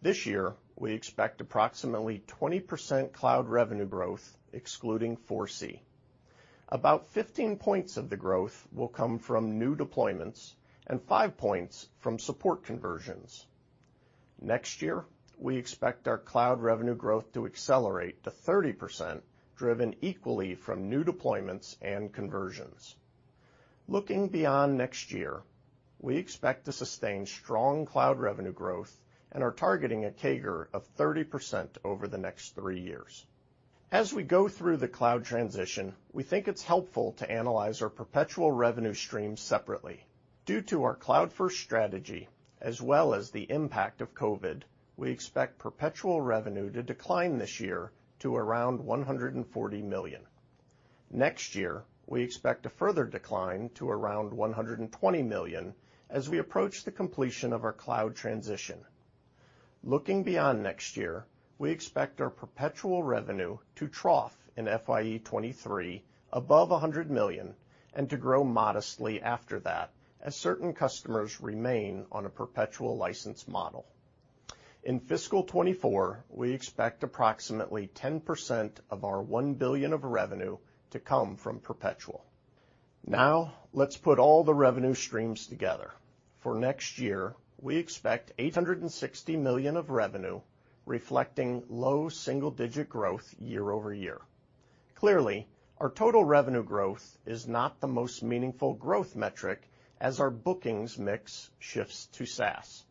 This year, we expect approximately 20% cloud revenue growth, excluding ForeSee. About 15 points of the growth will come from new deployments and 5 points from support conversions. Next year, we expect our cloud revenue growth to accelerate to 30%, driven equally from new deployments and conversions. Looking beyond next year, we expect to sustain strong cloud revenue growth and are targeting a CAGR of 30% over the next three years. As we go through the cloud transition, we think it's helpful to analyze our perpetual revenue stream separately. Due to our cloud-first strategy, as well as the impact of COVID, we expect perpetual revenue to decline this year to around $140 million. Next year, we expect a further decline to around $120 million as we approach the completion of our cloud transition. Looking beyond next year, we expect our perpetual revenue to trough in FY 2023 above $100 million and to grow modestly after that as certain customers remain on a perpetual license model. In fiscal 2024, we expect approximately 10% of our $1 billion of revenue to come from perpetual. Now, let's put all the revenue streams together. For next year, we expect $860 million of revenue, reflecting low single-digit growth year over year. Clearly, our total revenue growth is not the most meaningful growth metric as our bookings mix shifts to SaaS.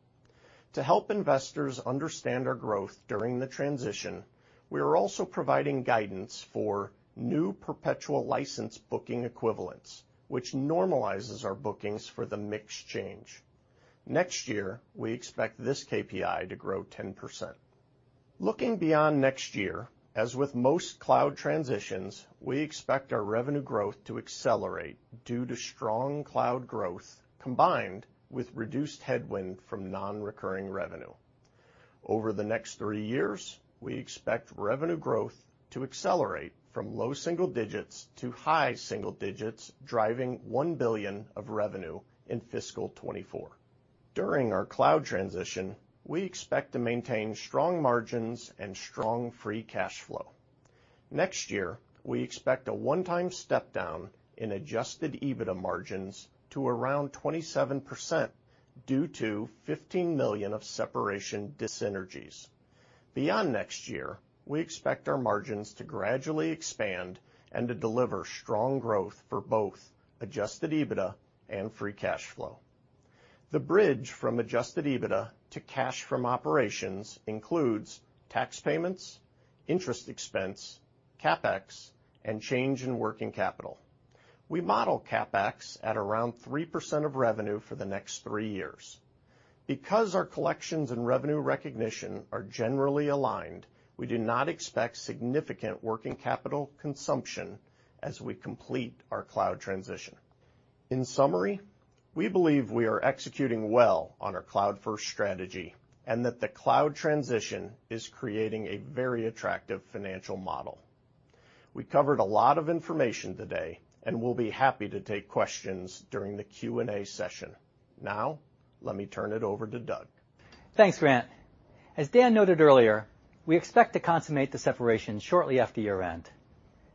To help investors understand our growth during the transition, we are also providing guidance for new perpetual license booking equivalents, which normalizes our bookings for the mix change. Next year, we expect this KPI to grow 10%. Looking beyond next year, as with most cloud transitions, we expect our revenue growth to accelerate due to strong cloud growth combined with reduced headwind from non-recurring revenue. Over the next three years, we expect revenue growth to accelerate from low single digits to high single digits, driving $1 billion of revenue in fiscal 2024. During our cloud transition, we expect to maintain strong margins and strong free cash flow. Next year, we expect a one-time step down in adjusted EBITDA margins to around 27% due to $15 million of separation synergies. Beyond next year, we expect our margins to gradually expand and to deliver strong growth for both adjusted EBITDA and free cash flow. The bridge from adjusted EBITDA to cash from operations includes tax payments, interest expense, CapEx, and change in working capital. We model CapEx at around 3% of revenue for the next three years. Because our collections and revenue recognition are generally aligned, we do not expect significant working capital consumption as we complete our cloud transition. In summary, we believe we are executing well on our cloud-first strategy and that the cloud transition is creating a very attractive financial model. We covered a lot of information today and will be happy to take questions during the Q&A session. Now, let me turn it over to Doug.
Thanks, Grant. As Dan noted earlier, we expect to consummate the separation shortly after year-end.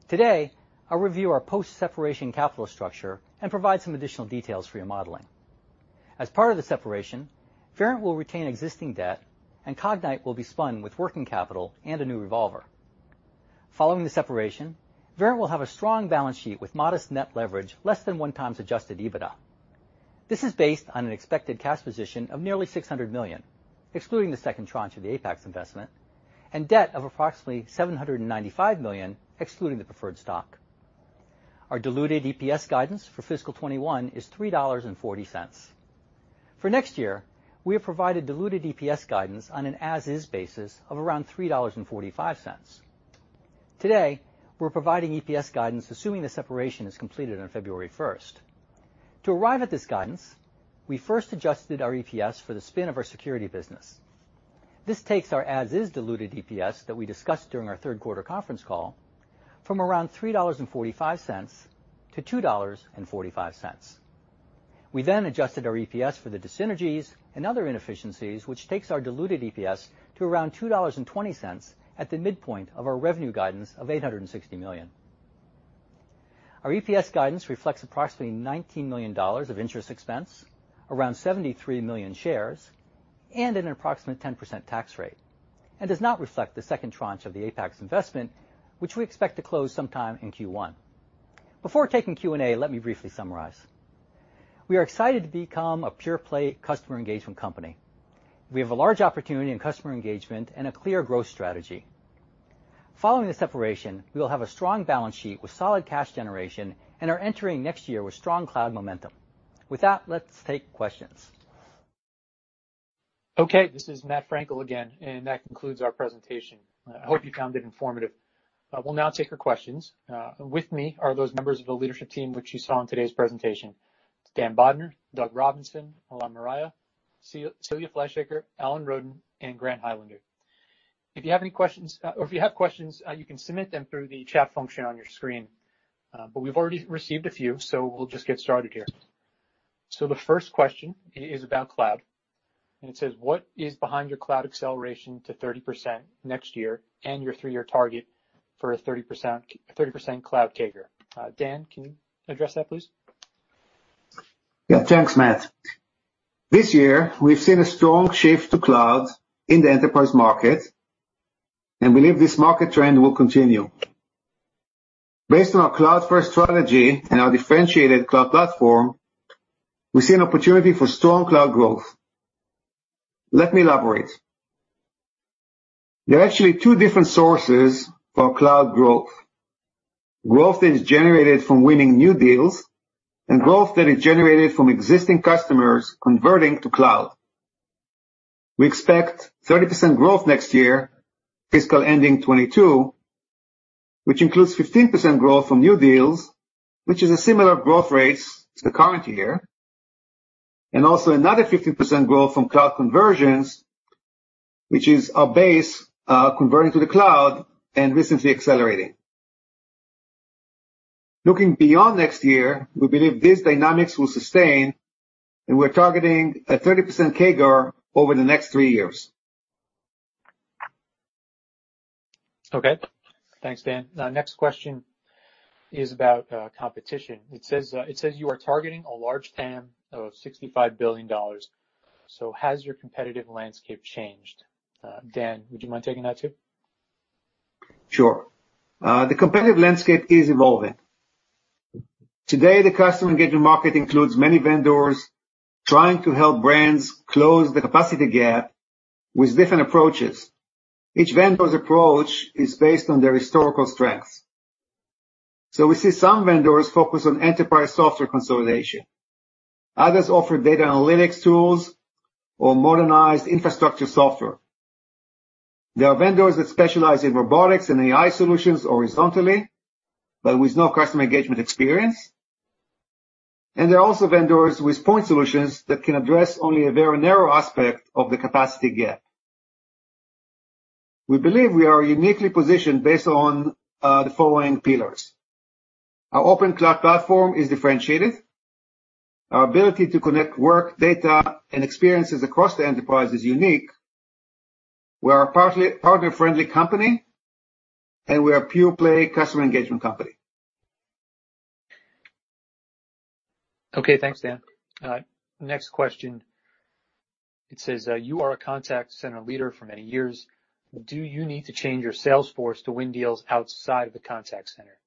Today, I'll review our post-separation capital structure and provide some additional details for your modeling. As part of the separation, Verint will retain existing debt and Cognyte will be spun with working capital and a new revolver. Following the separation, Verint will have a strong balance sheet with modest net leverage less than one times adjusted EBITDA. This is based on an expected cash position of nearly $600 million, excluding the second tranche of the Apax investment, and debt of approximately $795 million, excluding the preferred stock. Our diluted EPS guidance for fiscal 2021 is $3.40. For next year, we have provided diluted EPS guidance on an as-is basis of around $3.45. Today, we're providing EPS guidance assuming the separation is completed on February 1st. To arrive at this guidance, we first adjusted our EPS for the spin of our security business. This takes our as-is diluted EPS that we discussed during our third quarter conference call from around $3.45 to $2.45. We then adjusted our EPS for the synergies and other inefficiencies, which takes our diluted EPS to around $2.20 at the midpoint of our revenue guidance of $860 million. Our EPS guidance reflects approximately $19 million of interest expense, around 73 million shares, and an approximate 10% tax rate, and does not reflect the second tranche of the Apax investment, which we expect to close sometime in Q1. Before taking Q&A, let me briefly summarize. We are excited to become a pure-play customer engagement company. We have a large opportunity in customer engagement and a clear growth strategy. Following the separation, we will have a strong balance sheet with solid cash generation and are entering next year with strong cloud momentum. With that, let's take questions.
Okay. This is Matt Frankel again, and that concludes our presentation. I hope you found it informative. We'll now take your questions. With me are those members of the leadership team which you saw in today's presentation: Dan Bodner, Doug Robinson, Elan Moriah, Celia Fleischaker, Alan Roden, and Grant Highlander. If you have any questions, or if you have questions, you can submit them through the chat function on your screen. But we've already received a few, so we'll just get started here. So the first question is about cloud. And it says, "What is behind your cloud acceleration to 30% next year and your three-year target for a 30% cloud CAGR?" Dan, can you address that, please?
Yeah. Thanks, Matt. This year, we've seen a strong shift to cloud in the enterprise market, and we believe this market trend will continue. Based on our cloud-first strategy and our differentiated cloud platform, we see an opportunity for strong cloud growth. Let me elaborate. There are actually two different sources for cloud growth: growth that is generated from winning new deals and growth that is generated from existing customers converting to cloud. We expect 30% growth next year, fiscal ending 2022, which includes 15% growth from new deals, which is a similar growth rate to the current year, and also another 15% growth from cloud conversions, which is our base converting to the cloud and recently accelerating. Looking beyond next year, we believe these dynamics will sustain, and we're targeting a 30% CAGR over the next three years.
Okay. Thanks, Dan. Next question is about competition. It says you are targeting a large TAM of $65 billion. So has your competitive landscape changed? Dan, would you mind taking that too?
Sure. The competitive landscape is evolving. Today, the customer engagement market includes many vendors trying to help brands close the capacity gap with different approaches. Each vendor's approach is based on their historical strengths. So we see some vendors focus on enterprise software consolidation. Others offer data analytics tools or modernized infrastructure software. There are vendors that specialize in robotics and AI solutions horizontally, but with no customer engagement experience. And there are also vendors with point solutions that can address only a very narrow aspect of the capacity gap. We believe we are uniquely positioned based on the following pillars. Our open cloud platform is differentiated. Our ability to connect work, data, and experiences across the enterprise is unique. We are a partner-friendly company, and we are a pure-play customer engagement company.
Okay. Thanks, Dan. Next question. It says, "You are a contact center leader for many years. Do you need to change your sales force to win deals outside of the contact center?"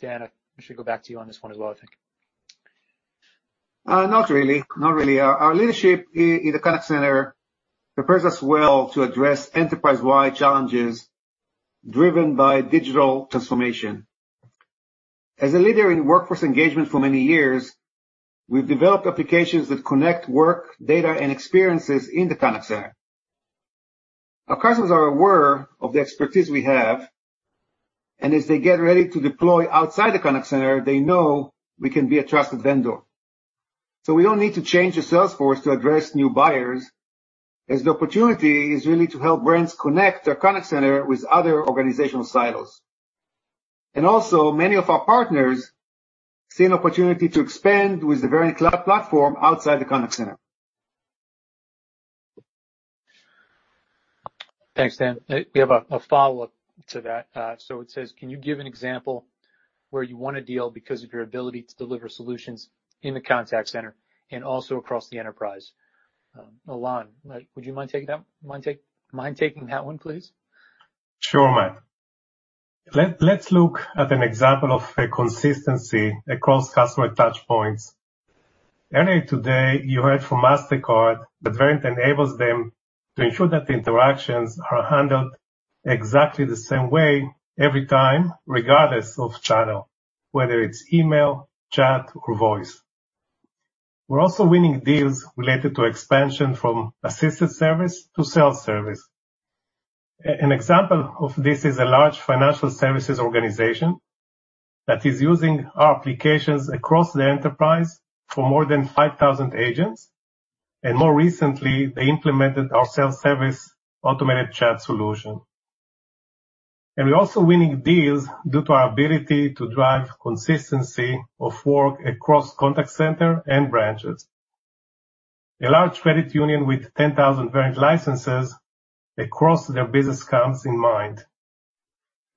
Dan, I should go back to you on this one as well, I think.
Not really. Not really. Our leadership in the contact center prepares us well to address enterprise-wide challenges driven by digital transformation. As a leader in workforce engagement for many years, we've developed applications that connect work, data, and experiences in the contact center. Our customers are aware of the expertise we have, and as they get ready to deploy outside the contact center, they know we can be a trusted vendor. So we don't need to change the sales force to address new buyers, as the opportunity is really to help brands connect their contact center with other organizational silos. And also, many of our partners see an opportunity to expand with the Verint Cloud Platform outside the contact center.
Thanks, Dan. We have a follow-up to that. So it says, "Can you give an example where you want a deal because of your ability to deliver solutions in the contact center and also across the enterprise?" Elan, would you mind taking that one, please?
Sure, Matt. Let's look at an example of consistency across customer touchpoints. Earlier today, you heard from Mastercard that Verint enables them to ensure that the interactions are handled exactly the same way every time, regardless of channel, whether it's email, chat, or voice. We're also winning deals related to expansion from assisted service to self-service. An example of this is a large financial services organization that is using our applications across the enterprise for more than 5,000 agents. And more recently, they implemented our self-service automated chat solution. And we're also winning deals due to our ability to drive consistency of work across contact center and branches. A large credit union with 10,000 Verint licenses across their business comes to mind.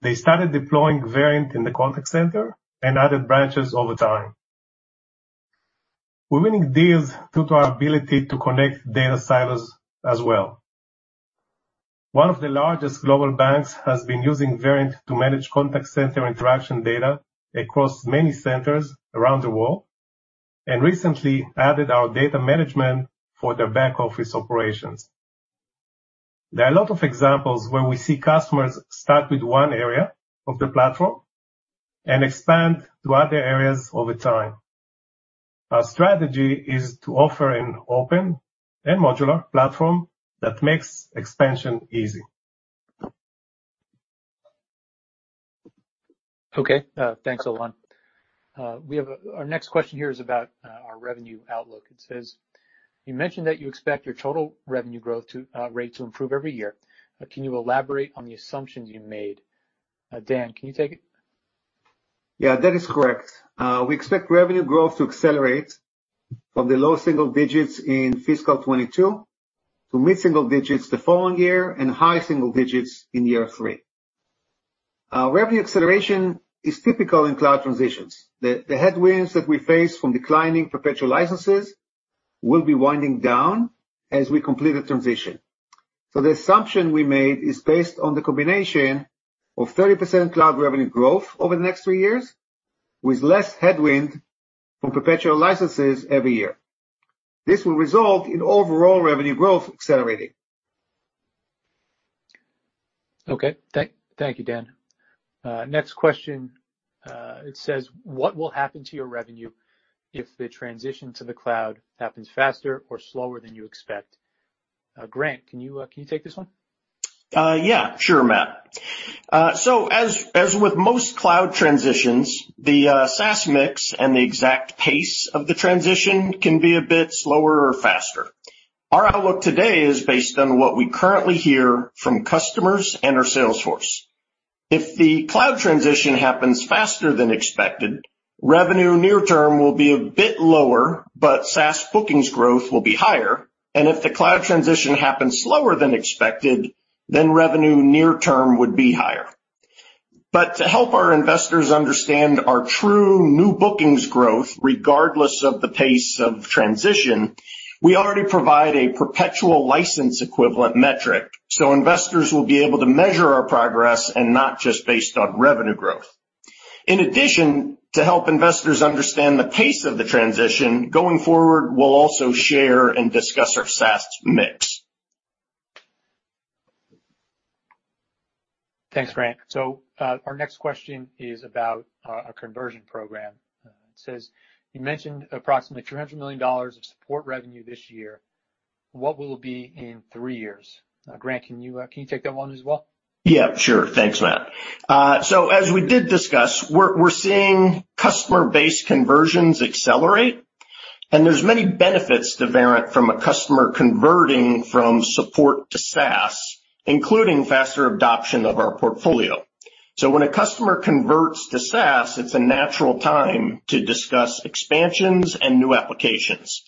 They started deploying Verint in the contact center and added branches over time. We're winning deals due to our ability to connect data silos as well. One of the largest global banks has been using Verint to manage contact center interaction data across many centers around the world and recently added our data management for their back office operations. There are a lot of examples where we see customers start with one area of the platform and expand to other areas over time. Our strategy is to offer an open and modular platform that makes expansion easy.
Okay. Thanks, Elan. Our next question here is about our revenue outlook. It says, "You mentioned that you expect your total revenue growth rate to improve every year. Can you elaborate on the assumptions you made?" Dan, can you take it?
Yeah. That is correct. We expect revenue growth to accelerate from the low single digits in fiscal 2022 to mid-single digits the following year and high single digits in year three. Revenue acceleration is typical in cloud transitions. The headwinds that we face from declining perpetual licenses will be winding down as we complete the transition. So the assumption we made is based on the combination of 30% cloud revenue growth over the next three years with less headwind from perpetual licenses every year. This will result in overall revenue growth accelerating.
Okay. Thank you, Dan. Next question. It says, "What will happen to your revenue if the transition to the cloud happens faster or slower than you expect?" Grant, can you take this one?
Yeah. Sure, Matt. So as with most cloud transitions, the SaaS mix and the exact pace of the transition can be a bit slower or faster. Our outlook today is based on what we currently hear from customers and our sales force. If the cloud transition happens faster than expected, revenue near-term will be a bit lower, but SaaS bookings growth will be higher. And if the cloud transition happens slower than expected, then revenue near-term would be higher. But to help our investors understand our true new bookings growth, regardless of the pace of transition, we already provide a perpetual license equivalent metric. So investors will be able to measure our progress and not just based on revenue growth. In addition, to help investors understand the pace of the transition, going forward, we'll also share and discuss our SaaS mix.
Thanks, Grant. So our next question is about a conversion program. It says, "You mentioned approximately $300 million of support revenue this year. What will it be in three years?" Grant, can you take that one as well?
Yeah. Sure. Thanks, Matt. So as we did discuss, we're seeing customer-based conversions accelerate. And there's many benefits to Verint from a customer converting from support to SaaS, including faster adoption of our portfolio. So when a customer converts to SaaS, it's a natural time to discuss expansions and new applications.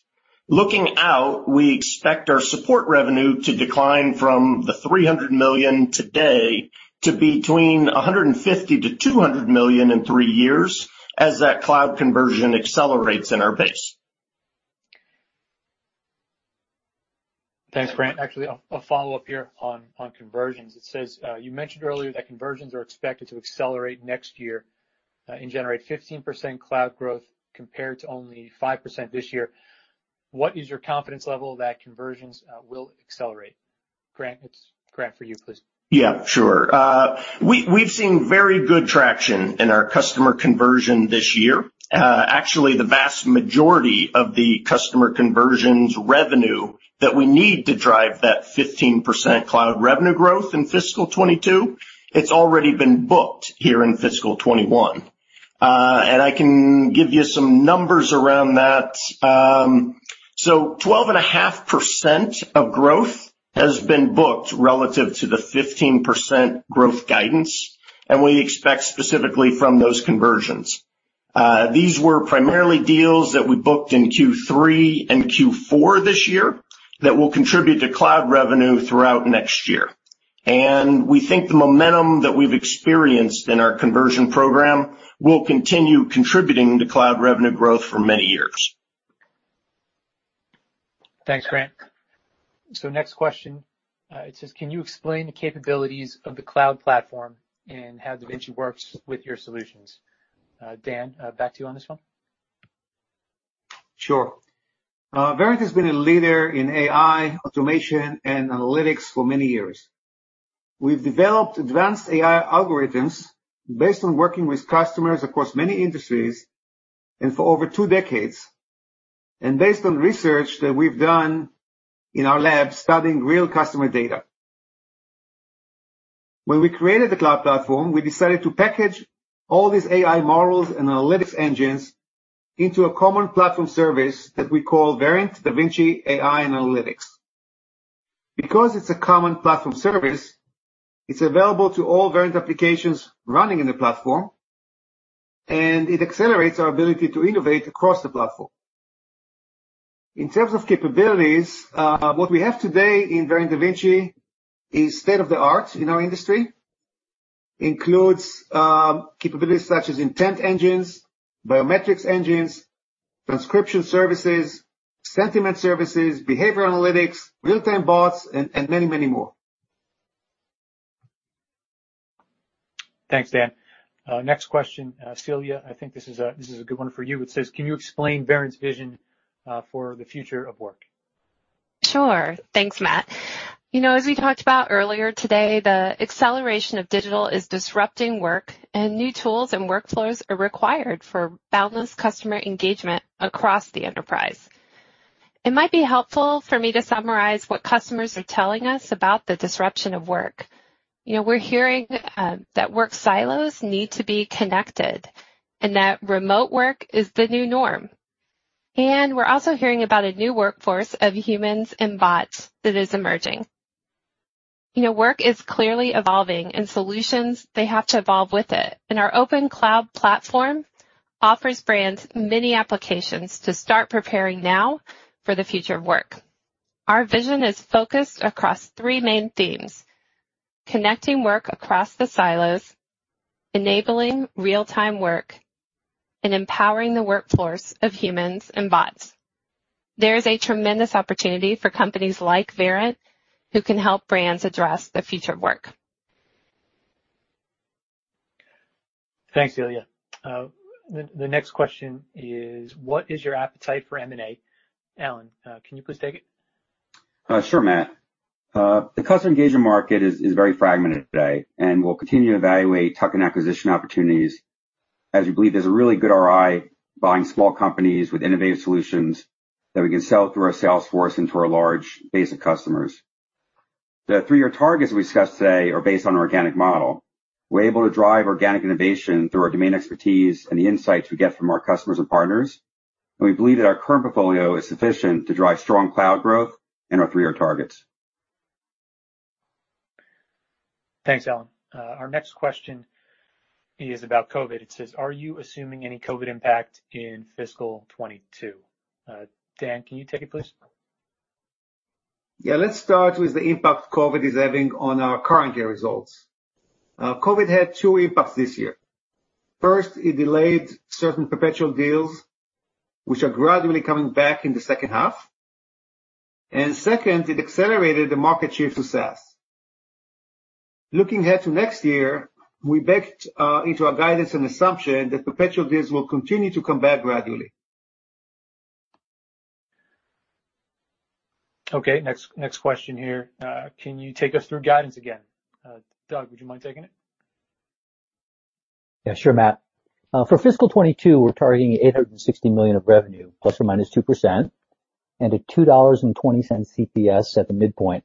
Looking out, we expect our support revenue to decline from the $300 million today to between $150-$200 million in three years as that cloud conversion accelerates in our base.
Thanks, Grant. Actually, I'll follow up here on conversions. It says, "You mentioned earlier that conversions are expected to accelerate next year and generate 15% cloud growth compared to only 5% this year. What is your confidence level that conversions will accelerate?" Grant, it's Grant for you, please.
Yeah. Sure. We've seen very good traction in our customer conversion this year. Actually, the vast majority of the customer conversions revenue that we need to drive that 15% cloud revenue growth in fiscal 2022, it's already been booked here in fiscal 2021. And I can give you some numbers around that. So 12.5% of growth has been booked relative to the 15% growth guidance, and we expect specifically from those conversions. These were primarily deals that we booked in Q3 and Q4 this year that will contribute to cloud revenue throughout next year. And we think the momentum that we've experienced in our conversion program will continue contributing to cloud revenue growth for many years.
Thanks, Grant. So next question. It says, "Can you explain the capabilities of the cloud platform and how Da Vinci works with your solutions?" Dan, back to you on this one.
Sure. Verint has been a leader in AI automation and analytics for many years. We've developed advanced AI algorithms based on working with customers across many industries and for over two decades, and based on research that we've done in our lab studying real customer data. When we created the cloud platform, we decided to package all these AI models and analytics engines into a common platform service that we call Verint DaVinci AI and Analytics. Because it's a common platform service, it's available to all Verint applications running in the platform, and it accelerates our ability to innovate across the platform. In terms of capabilities, what we have today in Verint Da Vinci is state-of-the-art in our industry. It includes capabilities such as intent engines, biometrics engines, transcription services, sentiment services, behavior analytics, real-time bots, and many, many more.
Thanks, Dan. Next question, Celia. I think this is a good one for you. It says, "Can you explain Verint's vision for the future of work?
Sure. Thanks, Matt. As we talked about earlier today, the acceleration of digital is disrupting work, and new tools and workflows are required for boundless customer engagement across the enterprise. It might be helpful for me to summarize what customers are telling us about the disruption of work. We're hearing that work silos need to be connected and that remote work is the new norm. And we're also hearing about a new workforce of humans and bots that is emerging. Work is clearly evolving, and solutions, they have to evolve with it. And our open cloud platform offers brands many applications to start preparing now for the future of work. Our vision is focused across three main themes: connecting work across the silos, enabling real-time work, and empowering the workforce of humans and bots. There is a tremendous opportunity for companies like Verint who can help brands address the future of work.
Thanks, Celia. The next question is, "What is your appetite for M&A?" Alan, can you please take it?
Sure, Matt. The customer engagement market is very fragmented today, and we'll continue to evaluate tuck-in acquisition opportunities as we believe there's a really good ROI buying small companies with innovative solutions that we can sell through our sales force and to our large base of customers. The three-year targets we discussed today are based on an organic model. We're able to drive organic innovation through our domain expertise and the insights we get from our customers and partners, and we believe that our current portfolio is sufficient to drive strong cloud growth and our three-year targets.
Thanks, Alan. Our next question is about COVID. It says, "Are you assuming any COVID impact in fiscal 2022?" Dan, can you take it, please?
Yeah. Let's start with the impact COVID is having on our current-year results. COVID had two impacts this year. First, it delayed certain perpetual deals, which are gradually coming back in the second half. And second, it accelerated the market shift to SaaS. Looking ahead to next year, we backed into our guidance and assumption that perpetual deals will continue to come back gradually.
Okay. Next question here. Can you take us through guidance again? Doug, would you mind taking it?
Yeah. Sure, Matt. For fiscal 2022, we're targeting $860 million of revenue, plus or minus 2%, and at $2.20 EPS at the midpoint.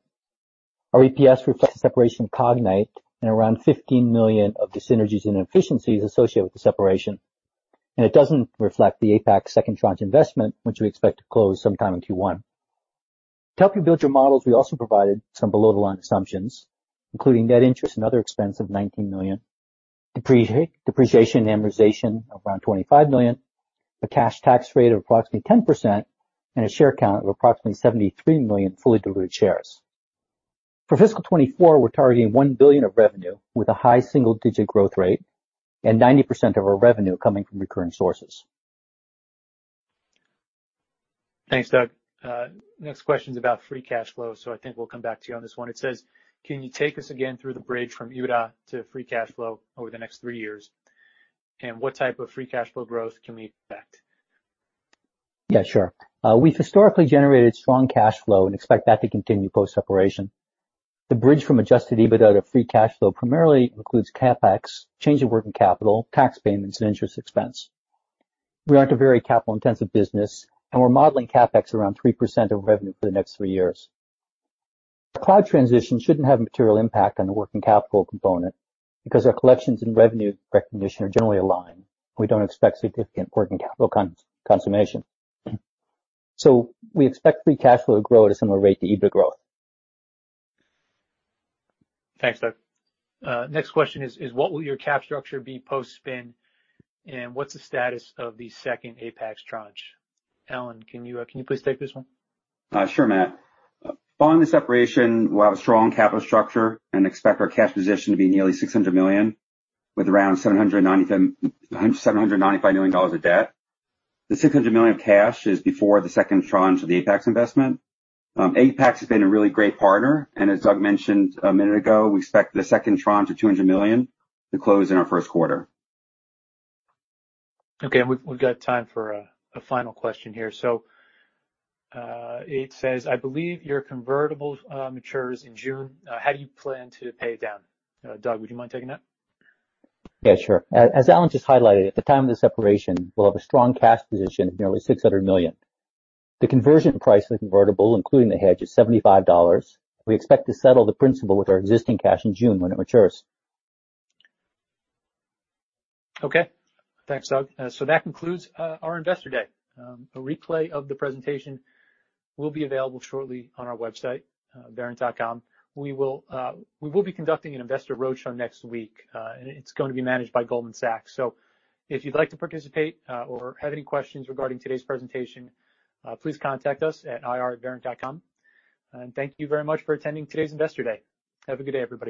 Our EPS reflects the separation of Cognyte and around $15 million of the synergies and efficiencies associated with the separation, and it doesn't reflect the Apax second tranche investment, which we expect to close sometime in Q1. To help you build your models, we also provided some below-the-line assumptions, including net interest and other expense of $19 million, depreciation and amortization of around $25 million, a cash tax rate of approximately 10%, and a share count of approximately 73 million fully diluted shares. For fiscal 2024, we're targeting $1 billion of revenue with a high single-digit growth rate and 90% of our revenue coming from recurring sources.
Thanks, Doug. Next question's about free cash flow. So I think we'll come back to you on this one. It says, "Can you take us again through the bridge from EBITDA to free cash flow over the next three years? And what type of free cash flow growth can we expect?
Yeah. Sure. We've historically generated strong cash flow and expect that to continue post-separation. The bridge from adjusted EBITDA to free cash flow primarily includes CapEx, change in working capital, tax payments, and interest expense. We aren't a very capital-intensive business, and we're modeling CapEx around 3% of revenue for the next three years. Our cloud transition shouldn't have a material impact on the working capital component because our collections and revenue recognition are generally aligned. We don't expect significant working capital consumption. So we expect free cash flow to grow at a similar rate to EBITDA growth.
Thanks, Doug. Next question is, "What will your cap structure be post-spin? And what's the status of the second Apax tranche?" Alan, can you please take this one?
Sure, Matt. Following the separation, we'll have a strong capital structure and expect our cash position to be nearly $600 million with around $795 million of debt. The $600 million of cash is before the second tranche of the Apax investment. Apax has been a really great partner. And as Doug mentioned a minute ago, we expect the second tranche of $200 million to close in our first quarter.
Okay. And we've got time for a final question here. So it says, "I believe your convertible matures in June. How do you plan to pay it down?" Doug, would you mind taking that?
Yeah. Sure. As Alan just highlighted, at the time of the separation, we'll have a strong cash position of nearly $600 million. The conversion price of the convertible, including the hedge, is $75. We expect to settle the principal with our existing cash in June when it matures.
Okay. Thanks, Doug. So that concludes our investor day. A replay of the presentation will be available shortly on our website, verint.com. We will be conducting an investor roadshow next week, and it's going to be managed by Goldman Sachs. So if you'd like to participate or have any questions regarding today's presentation, please contact us at ir@verint.com. And thank you very much for attending today's investor day. Have a good day, everybody.